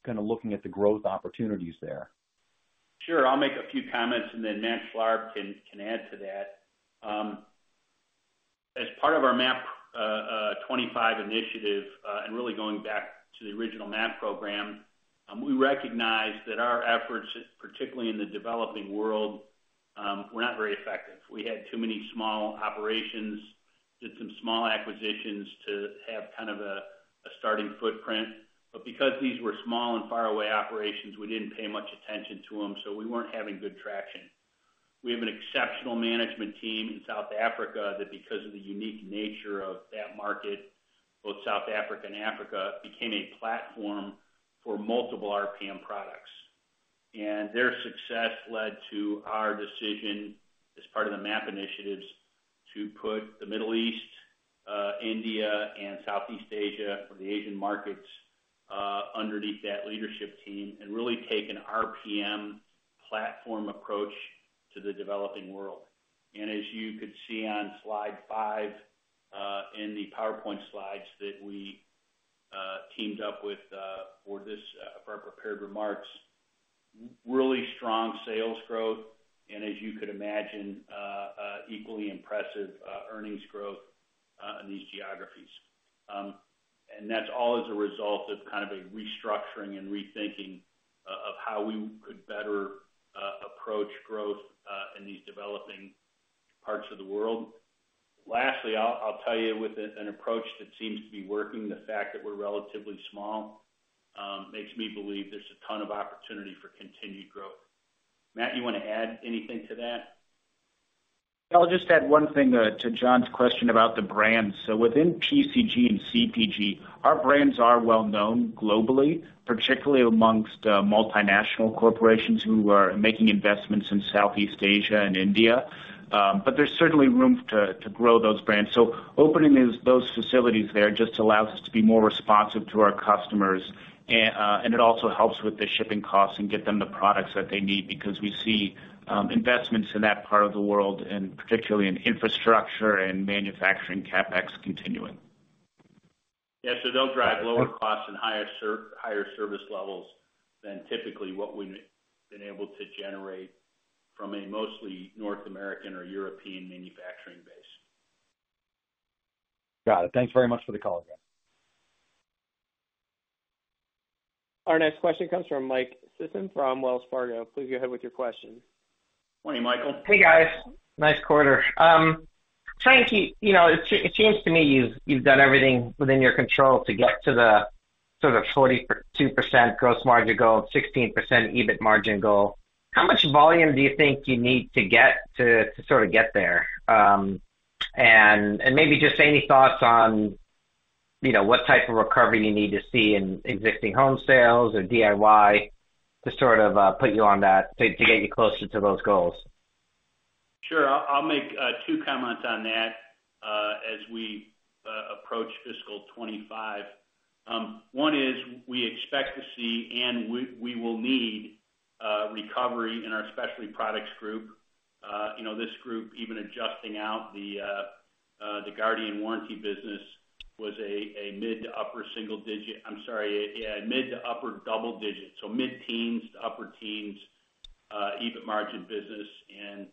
kind of looking at the growth opportunities there? Sure. I'll make a few comments, and then Matt Schlarb can add to that. As part of our MAP 2025 initiative and really going back to the original MAP program, we recognize that our efforts, particularly in the developing world, were not very effective. We had too many small operations, did some small acquisitions to have kind of a starting footprint. But because these were small and faraway operations, we didn't pay much attention to them, so we weren't having good traction. We have an exceptional management team in South Africa that, because of the unique nature of that market, both South Africa and Africa, became a platform for multiple RPM products. Their success led to our decision as part of the MAP initiatives to put the Middle East, India, and Southeast Asia or the Asian markets underneath that leadership team and really take an RPM platform approach to the developing world. As you could see on slide 5 in the PowerPoint slides that we teamed up with for our prepared remarks, really strong sales growth and, as you could imagine, equally impressive earnings growth in these geographies. That's all as a result of kind of a restructuring and rethinking of how we could better approach growth in these developing parts of the world. Lastly, I'll tell you, with an approach that seems to be working, the fact that we're relatively small makes me believe there's a ton of opportunity for continued growth. Matt, you want to add anything to that? Yeah. I'll just add one thing to John's question about the brands. So within PCG and CPG, our brands are well-known globally, particularly amongst multinational corporations who are making investments in Southeast Asia and India. But there's certainly room to grow those brands. So opening those facilities there just allows us to be more responsive to our customers, and it also helps with the shipping costs and get them the products that they need because we see investments in that part of the world and particularly in infrastructure and manufacturing capex continuing. Yeah. So they'll drive lower costs and higher service levels than typically what we've been able to generate from a mostly North American or European manufacturing base. Got it. Thanks very much for the call, again. Our next question comes from Mike Sisson from Wells Fargo. Please go ahead with your question. Morning, Michael. Hey, guys. Nice quarter. Frank, it seems to me you've done everything within your control to get to the sort of 42% gross margin goal, 16% EBIT margin goal. How much volume do you think you need to get to sort of get there? And maybe just any thoughts on what type of recovery you need to see in existing home sales or DIY to sort of put you on that to get you closer to those goals? Sure. I'll make two comments on that as we approach fiscal 2025. One is we expect to see and we will need recovery in our Specialty Products Group. This group even adjusting out the Guardian warranty business was a mid- to upper-single-digit. I'm sorry. Yeah. Mid- to upper-double-digit, so mid-teens to upper-teens EBIT margin business. And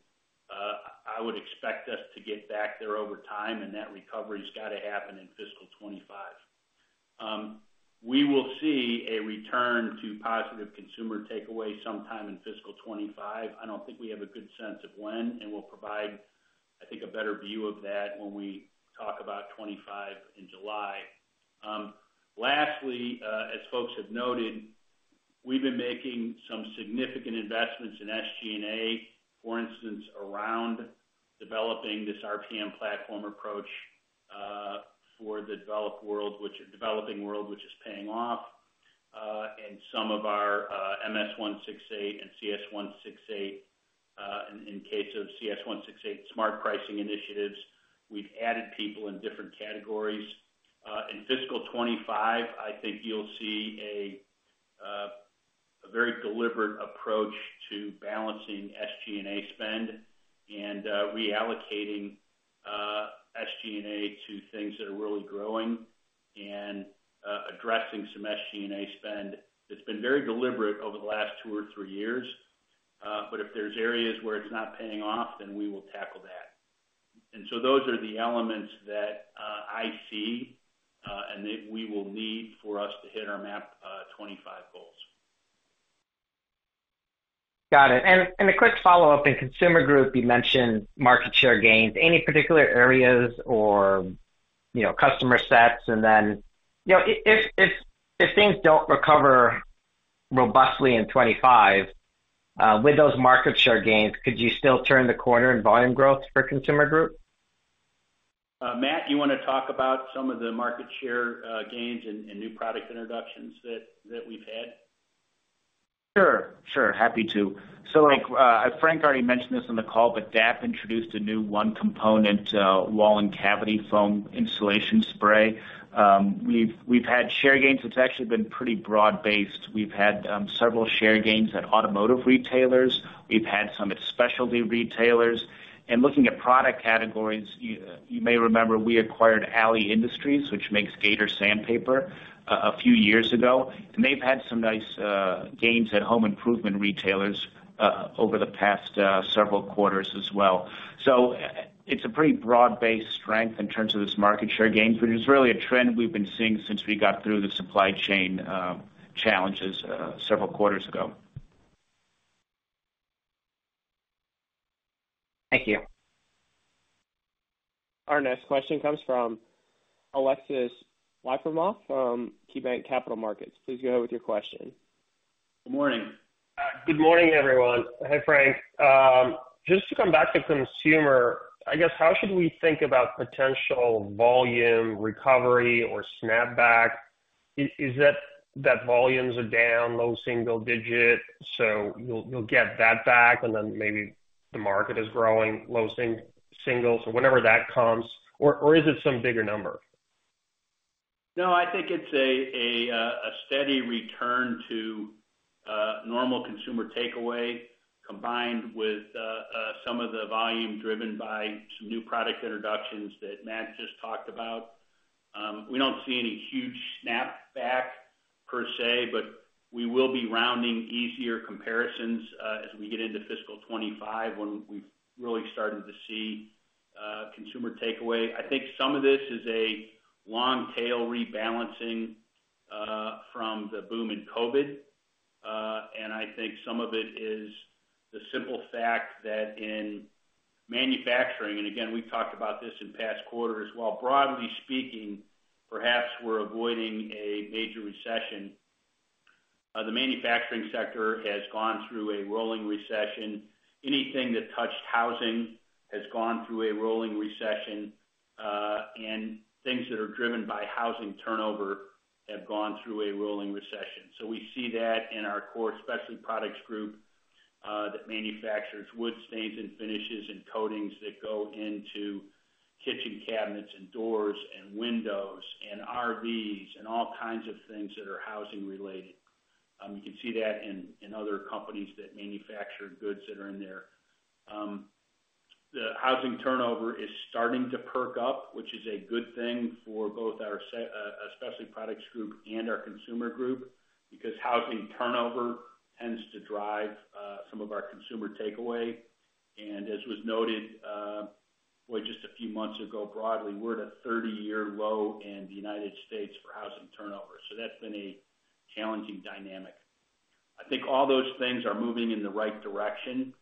I would expect us to get back there over time, and that recovery's got to happen in fiscal 2025. We will see a return to positive consumer takeaway sometime in fiscal 2025. I don't think we have a good sense of when, and we'll provide, I think, a better view of that when we talk about 2025 in July. Lastly, as folks have noted, we've been making some significant investments in SG&A, for instance, around developing this RPM platform approach for the developing world, which is paying off, and some of our MS-168 and CS-168, in case of CS-168, smart pricing initiatives. We've added people in different categories. In fiscal 2025, I think you'll see a very deliberate approach to balancing SG&A spend and reallocating SG&A to things that are really growing and addressing some SG&A spend that's been very deliberate over the last two or three years. But if there's areas where it's not paying off, then we will tackle that. So those are the elements that I see and that we will need for us to hit our MAP 25 goals. Got it. A quick follow-up. In consumer group, you mentioned market share gains. Any particular areas or customer sets? And then if things don't recover robustly in 2025, with those market share gains, could you still turn the corner in volume growth for consumer group? Matt, you want to talk about some of the market share gains and new product introductions that we've had? Sure. Sure. Happy to. So Frank already mentioned this on the call, but DAP introduced a new one-component wall and cavity foam insulation spray. We've had share gains. It's actually been pretty broad-based. We've had several share gains at automotive retailers. We've had some at specialty retailers. And looking at product categories, you may remember we acquired Ali Industries, which makes Gator sandpaper, a few years ago. And they've had some nice gains at home improvement retailers over the past several quarters as well. So it's a pretty broad-based strength in terms of this market share gain, which is really a trend we've been seeing since we got through the supply chain challenges several quarters ago. Thank you. Our next question comes from Aleksey Yefremov from KeyBanc Capital Markets. Please go ahead with your question. Good morning. Good morning, everyone. Hey, Frank. Just to come back to consumer, I guess how should we think about potential volume recovery or snapback? Is that volumes are down, low single digit, so you'll get that back, and then maybe the market is growing, low single, so whenever that comes? Or is it some bigger number? No. I think it's a steady return to normal consumer takeaway combined with some of the volume driven by some new product introductions that Matt just talked about. We don't see any huge snapback per se, but we will be rounding easier comparisons as we get into fiscal 2025 when we've really started to see consumer takeaway. I think some of this is a long-tail rebalancing from the boom in COVID. I think some of it is the simple fact that in manufacturing and again, we've talked about this in past quarters as well. Broadly speaking, perhaps we're avoiding a major recession. The manufacturing sector has gone through a rolling recession. Anything that touched housing has gone through a rolling recession, and things that are driven by housing turnover have gone through a rolling recession. So we see that in our core Specialty Products Group that manufactures wood stains and finishes and coatings that go into kitchen cabinets and doors and windows and RVs and all kinds of things that are housing-related. You can see that in other companies that manufacture goods that are in there. The housing turnover is starting to perk up, which is a good thing for both our Specialty Products Group and our Consumer Group because housing turnover tends to drive some of our consumer takeaway. As was noted just a few months ago broadly, we're at a 30-year low in the United States for housing turnover. So that's been a challenging dynamic. I think all those things are moving in the right direction,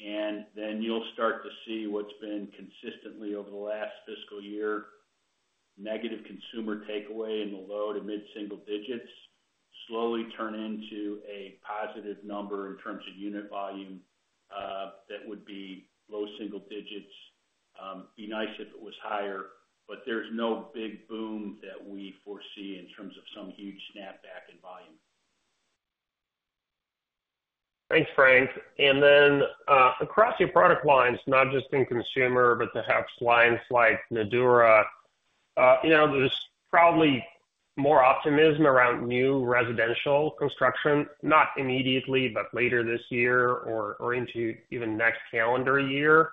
and then you'll start to see what's been consistently over the last fiscal year, negative consumer takeaway in the low- to mid-single digits, slowly turn into a positive number in terms of unit volume that would be low single digits. Be nice if it was higher, but there's no big boom that we foresee in terms of some huge snapback in volume. Thanks, Frank. And then across your product lines, not just in consumer but to have lines like Nudura, there's probably more optimism around new residential construction, not immediately but later this year or into even next calendar year.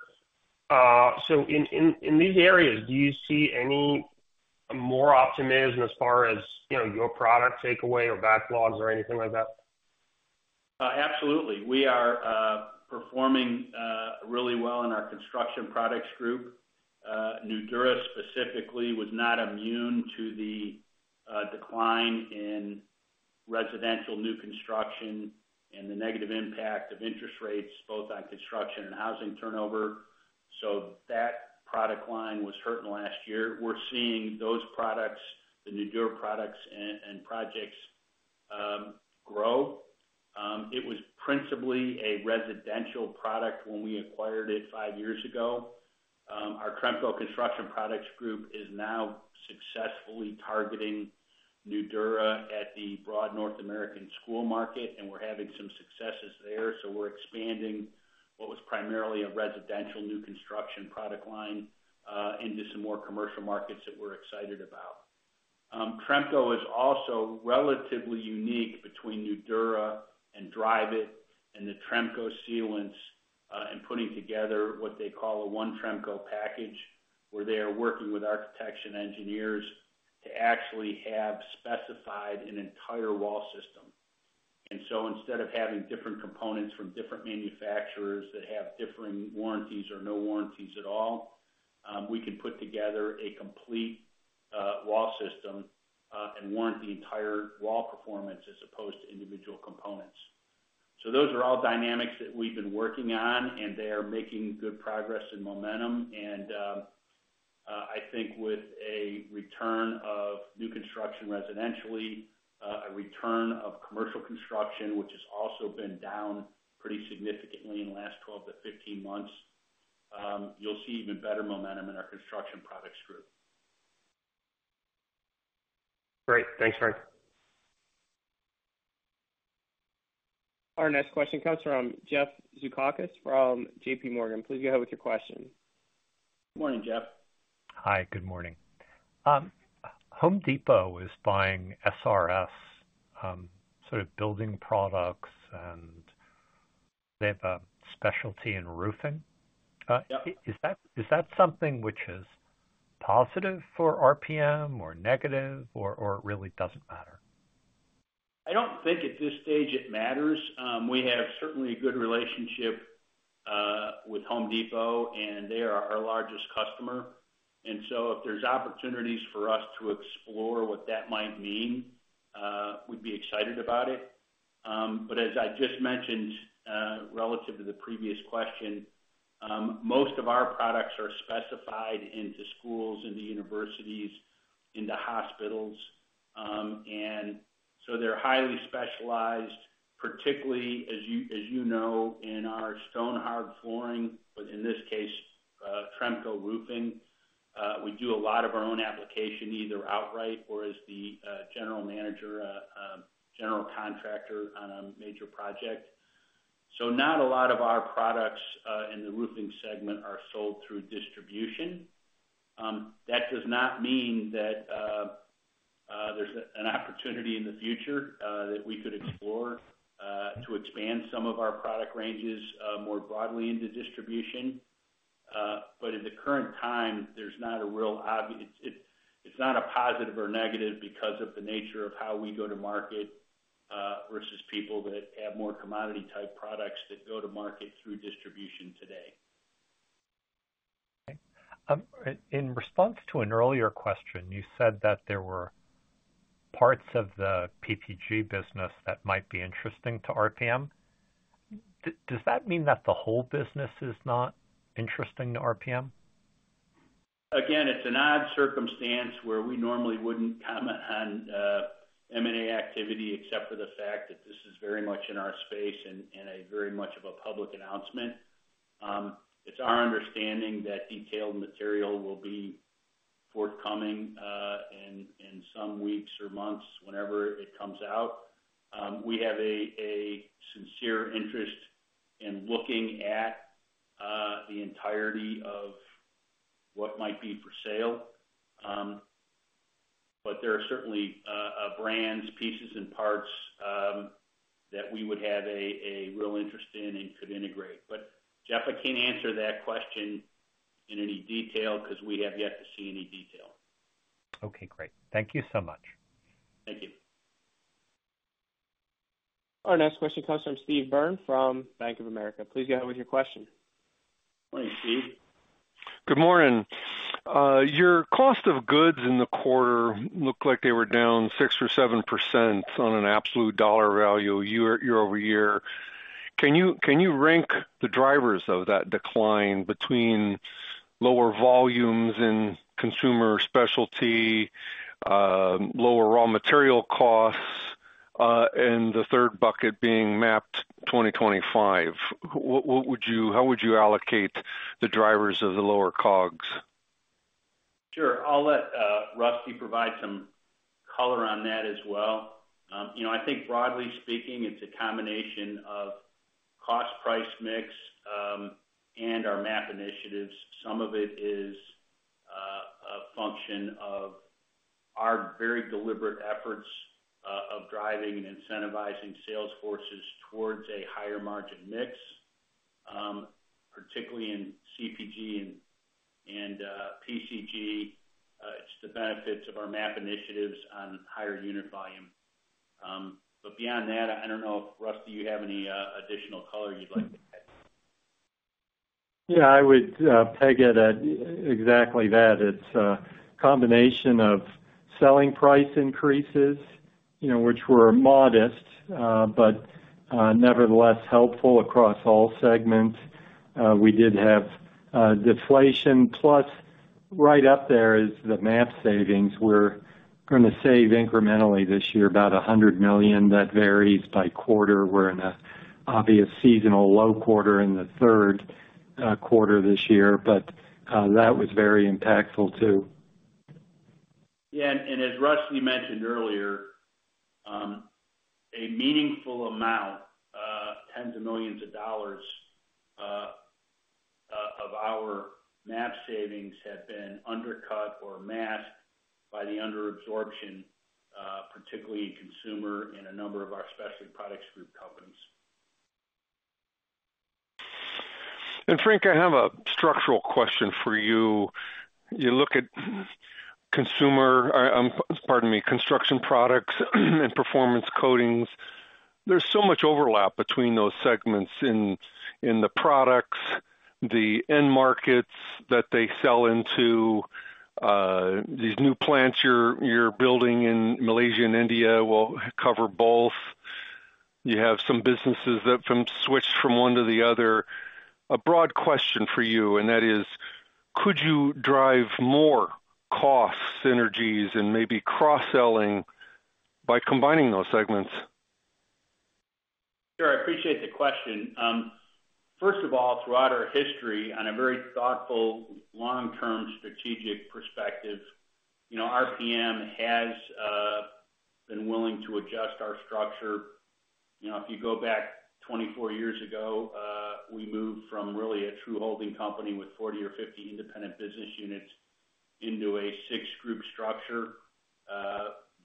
So in these areas, do you see any more optimism as far as your product takeaway or backlogs or anything like that? Absolutely. We are performing really well in our Construction Products Group. Nudura specifically was not immune to the decline in residential new construction and the negative impact of interest rates both on construction and housing turnover. So that product line was hurting last year. We're seeing those products, the Nudura products and projects, grow. It was principally a residential product when we acquired it five years ago. Our Tremco Construction Products Group is now successfully targeting Nudura at the broad North American school market, and we're having some successes there. So we're expanding what was primarily a residential new construction product line into some more commercial markets that we're excited about. Tremco is also relatively unique between Nudura and DriveIt and the Tremco sealants and putting together what they call a one-Tremco package where they are working with architecture engineers to actually have specified an entire wall system. Instead of having different components from different manufacturers that have differing warranties or no warranties at all, we can put together a complete wall system and warrant the entire wall performance as opposed to individual components. Those are all dynamics that we've been working on, and they are making good progress and momentum. I think with a return of new construction residentially, a return of commercial construction, which has also been down pretty significantly in the last 12-15 months, you'll see even better momentum in our Construction Products Group. Great. Thanks, Frank. Our next question comes from Jeff Zekauskas from JPMorgan. Please go ahead with your question. Good morning, Jeff. Hi. Good morning. Home Depot is buying SRS sort of building products, and they have a specialty in roofing. Is that something which is positive for RPM or negative or it really doesn't matter? I don't think at this stage it matters. We have certainly a good relationship with Home Depot, and they are our largest customer. And so if there's opportunities for us to explore what that might mean, we'd be excited about it. But as I just mentioned relative to the previous question, most of our products are specified into schools, into universities, into hospitals. And so they're highly specialized, particularly, as you know, in our Stonhard flooring, but in this case, Tremco roofing. We do a lot of our own application either outright or as the general manager, general contractor on a major project. So not a lot of our products in the roofing segment are sold through distribution. That does not mean that there's an opportunity in the future that we could explore to expand some of our product ranges more broadly into distribution. But at the current time, it's not a positive or negative because of the nature of how we go to market versus people that have more commodity-type products that go to market through distribution today. Okay. In response to an earlier question, you said that there were parts of the PPG business that might be interesting to RPM. Does that mean that the whole business is not interesting to RPM? Again, it's an odd circumstance where we normally wouldn't comment on M&A activity except for the fact that this is very much in our space and very much of a public announcement. It's our understanding that detailed material will be forthcoming in some weeks or months whenever it comes out. We have a sincere interest in looking at the entirety of what might be for sale. But there are certainly brands, pieces, and parts that we would have a real interest in and could integrate. But Jeff, I can't answer that question in any detail because we have yet to see any detail. Okay. Great. Thank you so much. Thank you. Our next question comes from Steve Byrne from Bank of America. Please go ahead with your question. Morning, Steve. Good morning. Your cost of goods in the quarter looked like they were down 6%-7% on an absolute dollar value year-over-year. Can you rank the drivers of that decline between lower volumes in consumer specialty, lower raw material costs, and the third bucket being MAP 2025? How would you allocate the drivers of the lower COGS? Sure. I'll let Russell provide some color on that as well. I think, broadly speaking, it's a combination of cost-price mix and our MAP initiatives. Some of it is a function of our very deliberate efforts of driving and incentivizing sales forces towards a higher-margin mix, particularly in CPG and PCG. It's the benefits of our MAP initiatives on higher unit volume. But beyond that, I don't know if Russell, you have any additional color you'd like to add? Yeah. I would peg it at exactly that. It's a combination of selling price increases, which were modest but nevertheless helpful across all segments. We did have deflation. Plus, right up there is the MAP savings. We're going to save incrementally this year, about $100 million. That varies by quarter. We're in an obvious seasonal low quarter in the Q3 this year, but that was very impactful too. Yeah. As Russell mentioned earlier, a meaningful amount, $ tens of millions of our MAP savings have been undercut or masked by the underabsorption, particularly in consumer in a number of our Specialty Products Group companies. Frank, I have a structural question for you. You look at consumer pardon me, construction products and performance coatings. There's so much overlap between those segments in the products, the end markets that they sell into. These new plants you're building in Malaysia and India will cover both. You have some businesses that switched from one to the other. A broad question for you, and that is, could you drive more cost synergies and maybe cross-selling by combining those segments? Sure. I appreciate the question. First of all, throughout our history, on a very thoughtful, long-term strategic perspective, RPM has been willing to adjust our structure. If you go back 24 years ago, we moved from really a true holding company with 40 or 50 independent business units into a six-group structure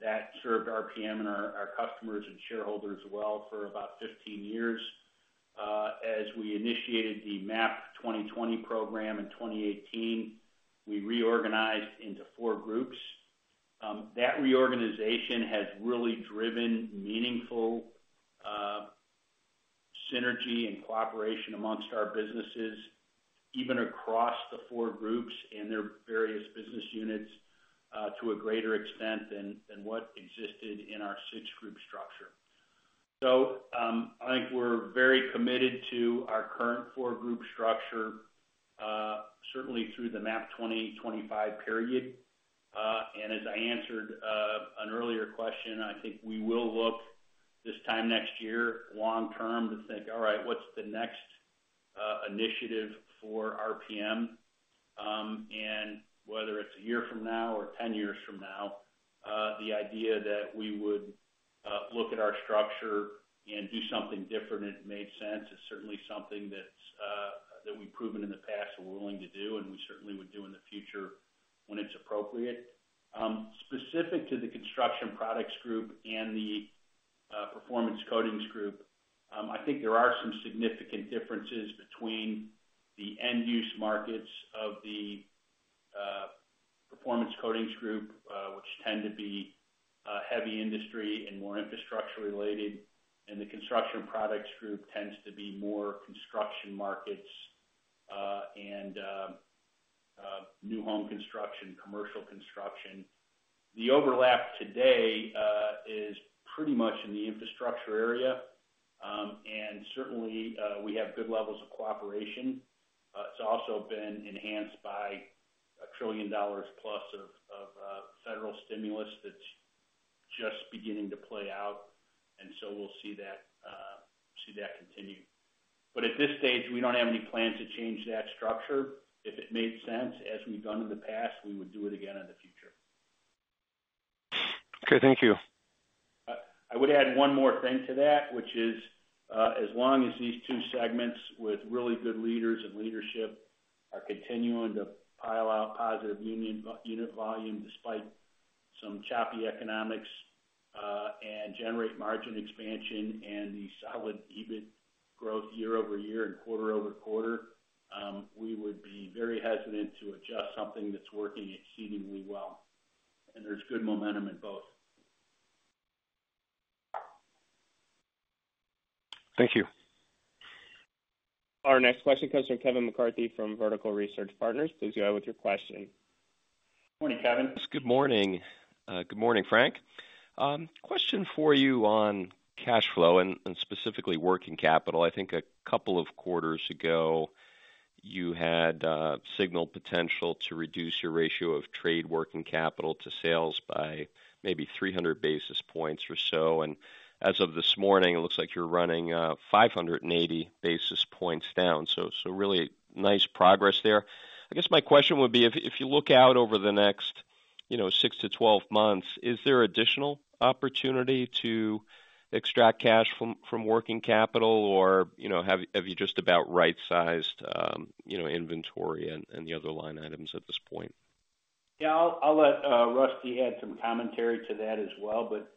that served RPM and our customers and shareholders well for about 15 years. As we initiated the MAP 2020 program in 2018, we reorganized into four groups. That reorganization has really driven meaningful synergy and cooperation among our businesses, even across the four groups and their various business units to a greater extent than what existed in our six-group structure. I think we're very committed to our current four-group structure, certainly through the MAP 2025 period. As I answered an earlier question, I think we will look this time next year, long-term, to think, "All right. What's the next initiative for RPM?" And whether it's a year from now or 10 years from now, the idea that we would look at our structure and do something different and it made sense is certainly something that we've proven in the past we're willing to do, and we certainly would do in the future when it's appropriate. Specific to the Construction Products Group and the Performance Coatings Group, I think there are some significant differences between the end-use markets of the Performance Coatings Group, which tend to be heavy industry and more infrastructure-related, and the Construction Products Group tends to be more construction markets and new home construction, commercial construction. The overlap today is pretty much in the infrastructure area, and certainly, we have good levels of cooperation. It's also been enhanced by $1 trillion+ of federal stimulus that's just beginning to play out, and so we'll see that continue. But at this stage, we don't have any plans to change that structure. If it made sense as we've done in the past, we would do it again in the future. Okay. Thank you. I would add one more thing to that, which is, as long as these two segments with really good leaders and leadership are continuing to pile out positive unit volume despite some choppy economics and generate margin expansion and the solid EBIT growth year-over-year and quarter-over-quarter, we would be very hesitant to adjust something that's working exceedingly well. And there's good momentum in both. Thank you. Our next question comes from Kevin McCarthy from Vertical Research Partners. Please go ahead with your question. Morning, Kevin. Good morning. Good morning, Frank. Question for you on cash flow and specifically working capital. I think a couple of quarters ago, you had signaled potential to reduce your ratio of trade working capital to sales by maybe 300 basis points or so. As of this morning, it looks like you're running 580 basis points down. So really nice progress there. I guess my question would be, if you look out over the next six to 12 months, is there additional opportunity to extract cash from working capital, or have you just about right-sized inventory and the other line items at this point? Yeah. I'll let Russell add some commentary to that as well. But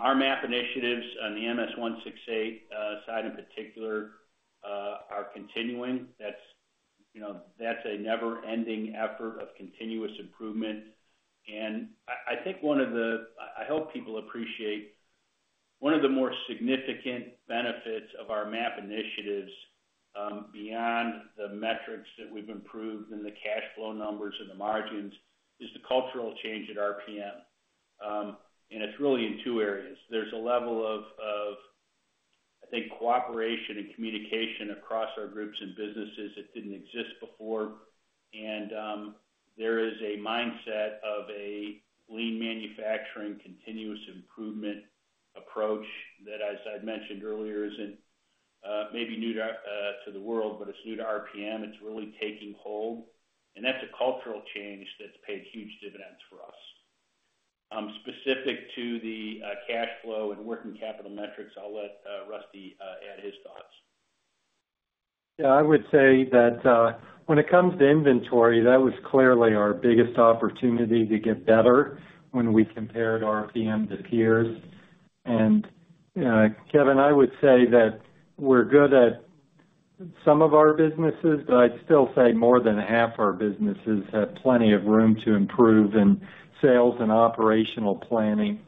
our MAP initiatives on the MS-168 side in particular are continuing. That's a never-ending effort of continuous improvement. I think one of the, I hope people appreciate, one of the more significant benefits of our MAP initiatives beyond the metrics that we've improved and the cash flow numbers and the margins is the cultural change at RPM. It's really in two areas. There's a level of, I think, cooperation and communication across our groups and businesses that didn't exist before. There is a mindset of a lean manufacturing continuous improvement approach that, as I'd mentioned earlier, isn't maybe new to the world, but it's new to RPM. It's really taking hold. That's a cultural change that's paid huge dividends for us. Specific to the cash flow and working capital metrics, I'll let Russell add his thoughts. Yeah. I would say that when it comes to inventory, that was clearly our biggest opportunity to get better when we compared RPM to peers. And, Kevin, I would say that we're good at some of our businesses, but I'd still say more than half our businesses have plenty of room to improve in sales and operational planning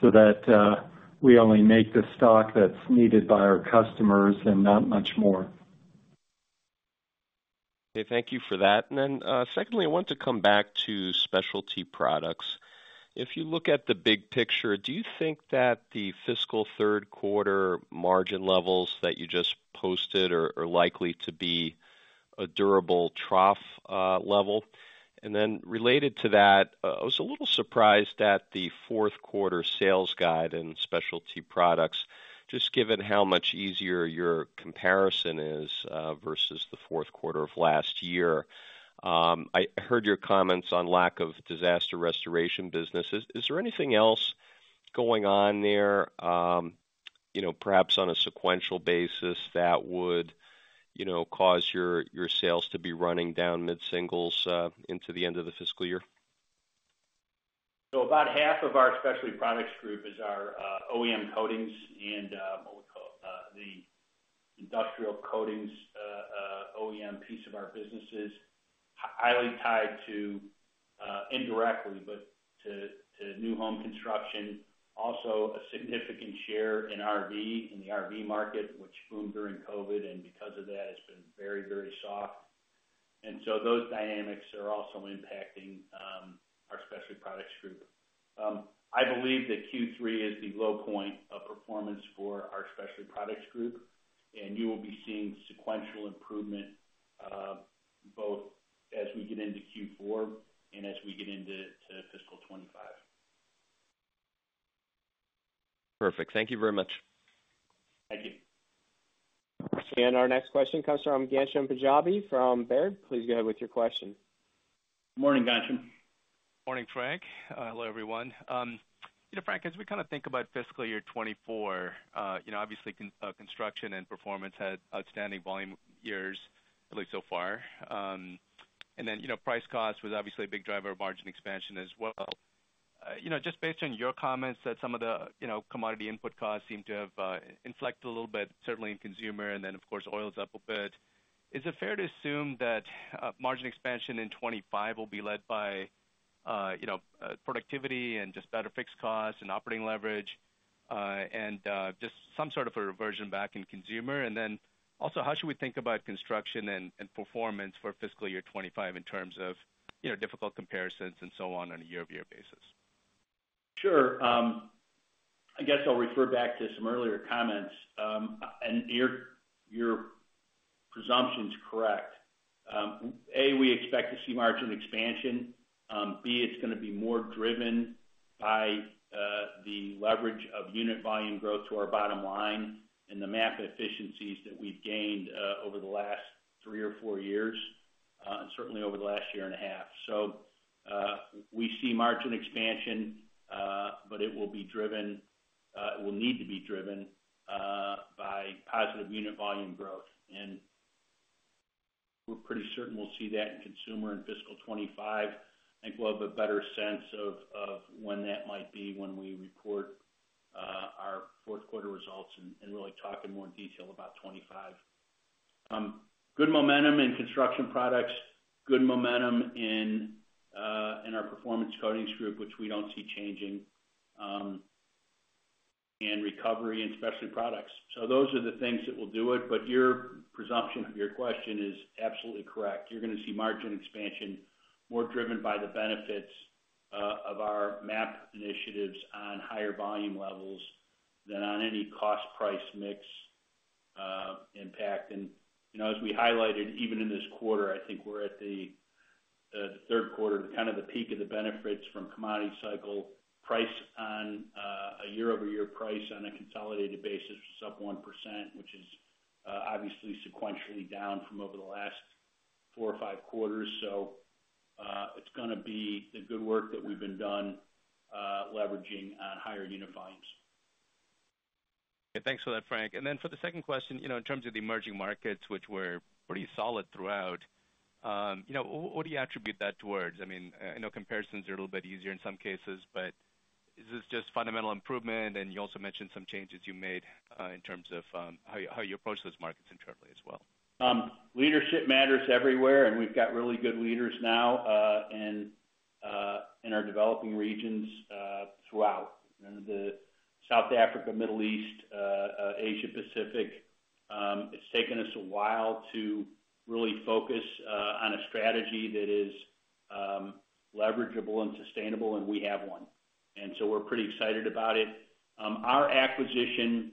so that we only make the stock that's needed by our customers and not much more. Okay. Thank you for that. And then, secondly, I want to come back to specialty products. If you look at the big picture, do you think that the fiscal Q3 margin levels that you just posted are likely to be a durable trough level? And then related to that, I was a little surprised at the Q4 sales guide and specialty products, just given how much easier your comparison is versus the Q4 of last year. I heard your comments on lack of disaster restoration businesses. Is there anything else going on there, perhaps on a sequential basis, that would cause your sales to be running down mid-singles into the end of the fiscal year? So about half of our Specialty Products Group is our OEM coatings and what we call the industrial coatings OEM piece of our businesses, highly tied to indirectly, but to new home construction, also a significant share in RV, in the RV market, which boomed during COVID and because of that has been very, very soft. And so those dynamics are also impacting our Specialty Products Group. I believe that Q3 is the low point of performance for our Specialty Products Group, and you will be seeing sequential improvement both as we get into Q4 and as we get into fiscal 2025. Perfect. Thank you very much. Thank you. Our next question comes from Ghansham Panjabi from Baird. Please go ahead with your question. Morning, Gansham. Morning, Frank. Hello, everyone. Frank, as we kind of think about fiscal year 2024, obviously, construction and performance had outstanding volume years, at least so far. And then price cost was obviously a big driver of margin expansion as well. Just based on your comments that some of the commodity input costs seem to have inflected a little bit, certainly in consumer, and then, of course, oil's up a bit, is it fair to assume that margin expansion in 2025 will be led by productivity and just better fixed costs and operating leverage and just some sort of a reversion back in consumer? And then also, how should we think about construction and performance for fiscal year 2025 in terms of difficult comparisons and so on on a year-over-year basis? Sure. I guess I'll refer back to some earlier comments, and your presumption's correct. A, we expect to see margin expansion. B, it's going to be more driven by the leverage of unit volume growth to our bottom line and the MAP efficiencies that we've gained over the last three or four years and certainly over the last year and a half. So we see margin expansion, but it will be driven it will need to be driven by positive unit volume growth. And we're pretty certain we'll see that in consumer in fiscal 2025. I think we'll have a better sense of when that might be when we report our Q4 results and really talk in more detail about 2025. Good momentum in construction products, good momentum in our performance coatings group, which we don't see changing, and recovery in specialty products. So those are the things that will do it. But your presumption of your question is absolutely correct. You're going to see margin expansion more driven by the benefits of our MAP initiatives on higher volume levels than on any cost-price mix impact. And as we highlighted, even in this quarter, I think we're at the Q3, kind of the peak of the benefits from commodity cycle. Price on a year-over-year price on a consolidated basis was up 1%, which is obviously sequentially down from over the last four or five quarters. So it's going to be the good work that we've been done leveraging on higher unit volumes. Yeah. Thanks for that, Frank. And then for the second question, in terms of the emerging markets, which were pretty solid throughout, what do you attribute that towards? I mean, I know comparisons are a little bit easier in some cases, but is this just fundamental improvement? And you also mentioned some changes you made in terms of how you approach those markets internally as well. Leadership matters everywhere, and we've got really good leaders now in our developing regions throughout. In the South Africa, Middle East, Asia-Pacific, it's taken us a while to really focus on a strategy that is leverageable and sustainable, and we have one. And so we're pretty excited about it. Our acquisition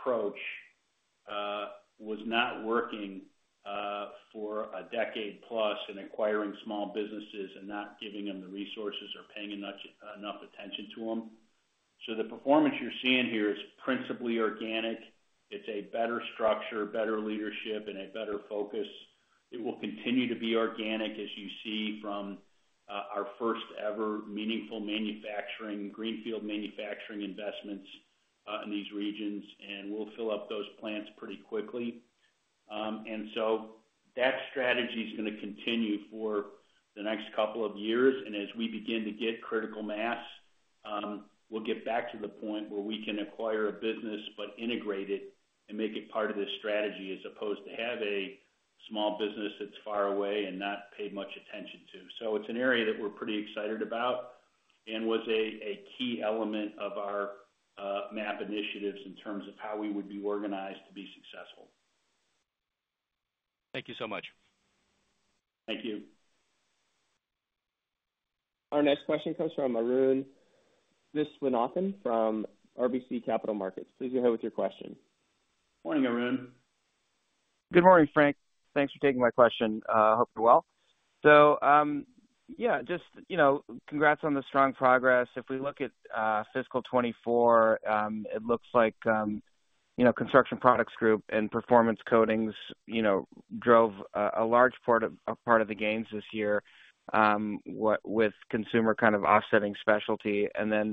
approach was not working for a decade-plus in acquiring small businesses and not giving them the resources or paying enough attention to them. So the performance you're seeing here is principally organic. It's a better structure, better leadership, and a better focus. It will continue to be organic as you see from our first-ever meaningful greenfield manufacturing investments in these regions, and we'll fill up those plants pretty quickly. And so that strategy's going to continue for the next couple of years. As we begin to get critical mass, we'll get back to the point where we can acquire a business but integrate it and make it part of this strategy as opposed to have a small business that's far away and not paid much attention to. It's an area that we're pretty excited about and was a key element of our MAP initiatives in terms of how we would be organized to be successful. Thank you so much. Thank you. Our next question comes from Arun Viswanathan from RBC Capital Markets. Please go ahead with your question. Morning, Arun. Good morning, Frank. Thanks for taking my question. I hope you're well. So yeah, just congrats on the strong progress. If we look at fiscal 2024, it looks like Construction Products Group and Performance Coatings drove a large part of the gains this year with Consumer kind of offsetting Specialty. And then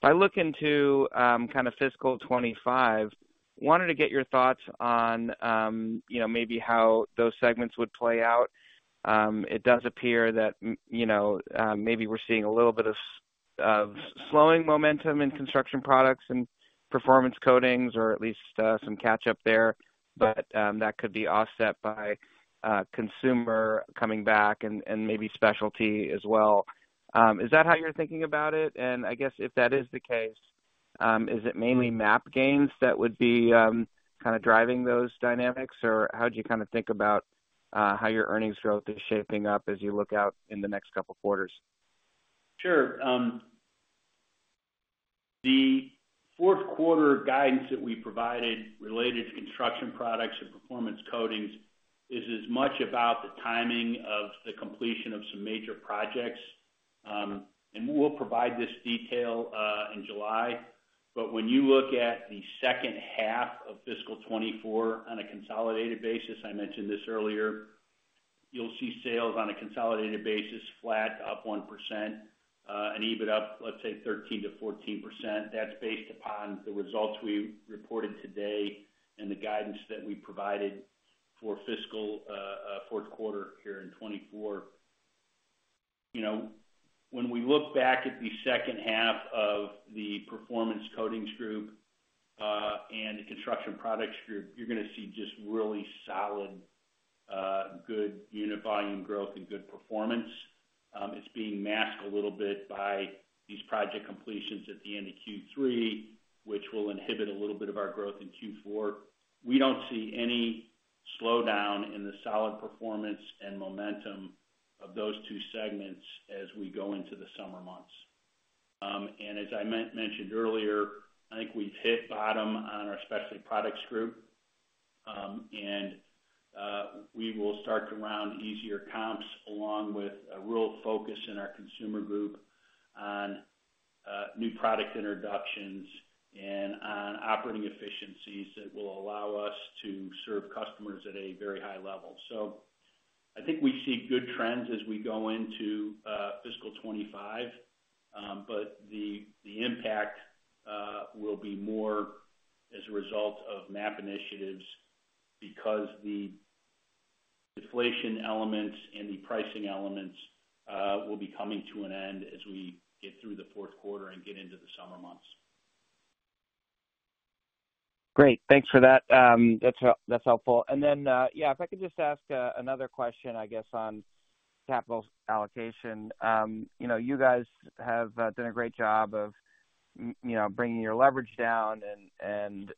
if I look into kind of fiscal 2025, wanted to get your thoughts on maybe how those segments would play out. It does appear that maybe we're seeing a little bit of slowing momentum in Construction Products and Performance Coatings or at least some catch-up there, but that could be offset by Consumer coming back and maybe Specialty as well. Is that how you're thinking about it? I guess if that is the case, is it mainly MAP gains that would be kind of driving those dynamics, or how do you kind of think about how your earnings growth is shaping up as you look out in the next couple of quarters? Sure. The Q4 guidance that we provided related to construction products and performance coatings is as much about the timing of the completion of some major projects. We'll provide this detail in July. When you look at the H2 of fiscal 2024 on a consolidated basis—I mentioned this earlier—you'll see sales on a consolidated basis flat, up 1%, and EBIT up, let's say, 13%-14%. That's based upon the results we reported today and the guidance that we provided for fiscal Q4 here in 2024. When we look back at the H2 of the performance coatings group and the construction products group, you're going to see just really solid, good unit volume growth and good performance. It's being masked a little bit by these project completions at the end of Q3, which will inhibit a little bit of our growth in Q4. We don't see any slowdown in the solid performance and momentum of those two segments as we go into the summer months. As I mentioned earlier, I think we've hit bottom on our Specialty Products Group, and we will start to round easier comps along with a real focus in our consumer group on new product introductions and on operating efficiencies that will allow us to serve customers at a very high level. I think we see good trends as we go into fiscal 2025, but the impact will be more as a result of MAP initiatives because the inflation elements and the pricing elements will be coming to an end as we get through the Q4 and get into the summer months. Great. Thanks for that. That's helpful. And then, yeah, if I could just ask another question, I guess, on capital allocation. You guys have done a great job of bringing your leverage down, and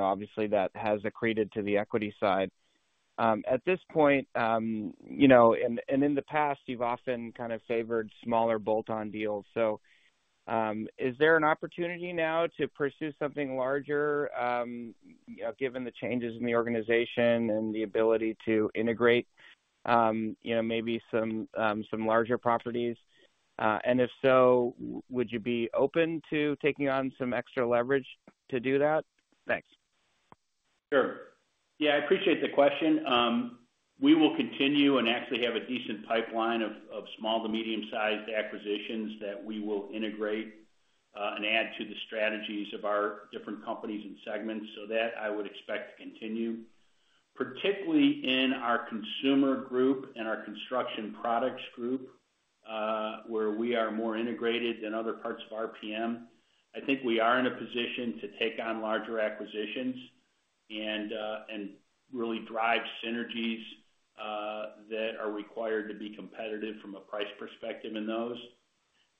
obviously, that has accreted to the equity side. At this point and in the past, you've often kind of favored smaller bolt-on deals. So is there an opportunity now to pursue something larger given the changes in the organization and the ability to integrate maybe some larger properties? And if so, would you be open to taking on some extra leverage to do that? Thanks. Sure. Yeah, I appreciate the question. We will continue and actually have a decent pipeline of small to medium-sized acquisitions that we will integrate and add to the strategies of our different companies and segments. So that I would expect to continue, particularly in our consumer group and our construction products group where we are more integrated than other parts of RPM. I think we are in a position to take on larger acquisitions and really drive synergies that are required to be competitive from a price perspective in those.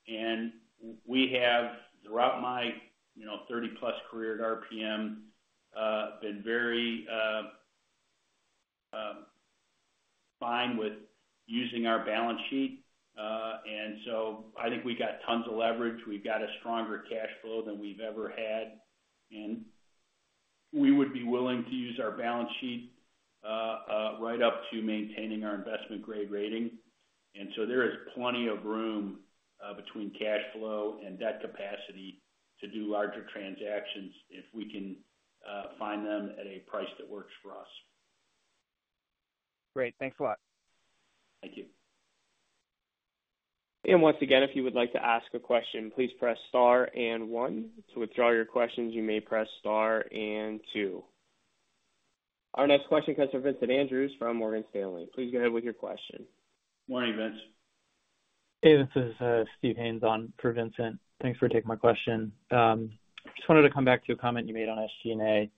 And we have, throughout my 30-plus career at RPM, been very fine with using our balance sheet. And so I think we got tons of leverage. We've got a stronger cash flow than we've ever had. And we would be willing to use our balance sheet right up to maintaining our investment-grade rating. And so there is plenty of room between cash flow and debt capacity to do larger transactions if we can find them at a price that works for us. Great. Thanks a lot. Thank you. Once again, if you would like to ask a question, please press star and one. To withdraw your questions, you may press star and two. Our next question comes from Vincent Andrews from Morgan Stanley. Please go ahead with your question. Morning, Vince. Hey, this is Steve Haynes for Vincent. Thanks for taking my question. I just wanted to come back to a comment you made on SG&A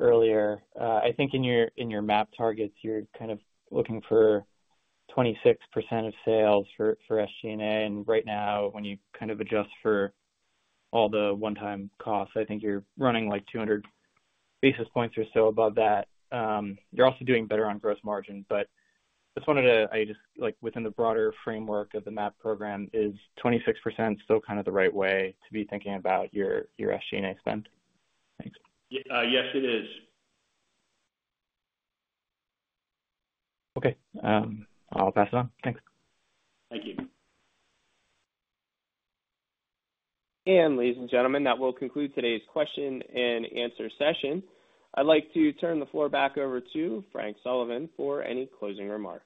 earlier. I think in your MAP targets, you're kind of looking for 26% of sales for SG&A. And right now, when you kind of adjust for all the one-time costs, I think you're running like 200 basis points or so above that. You're also doing better on gross margin. But I just wanted to ask within the broader framework of the MAP program, is 26% still kind of the right way to be thinking about your SG&A spend? Thanks. Yes, it is. Okay. I'll pass it on. Thanks. Thank you. Ladies and gentlemen, that will conclude today's question and answer session. I'd like to turn the floor back over to Frank Sullivan for any closing remarks.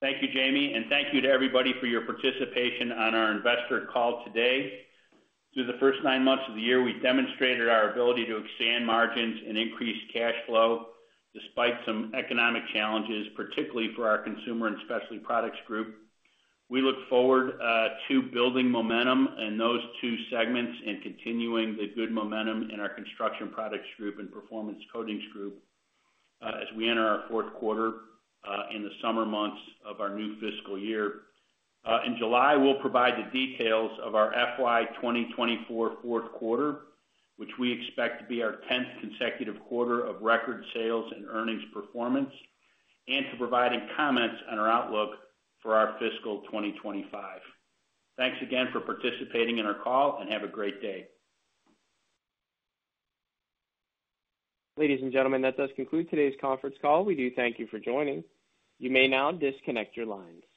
Thank you, Jamie. Thank you to everybody for your participation on our investor call today. Through the first nine months of the year, we demonstrated our ability to expand margins and increase cash flow despite some economic challenges, particularly for our consumer and Specialty Products Group. We look forward to building momentum in those two segments and continuing the good momentum in our construction products group and performance coatings group as we enter our Q4 in the summer months of our new fiscal year. In July, we'll provide the details of our FY 2024 Q4, which we expect to be our 10th consecutive quarter of record sales and earnings performance, and to providing comments on our outlook for our fiscal 2025. Thanks again for participating in our call, and have a great day. Ladies and gentlemen, that does conclude today's conference call. We do thank you for joining. You may now disconnect your lines.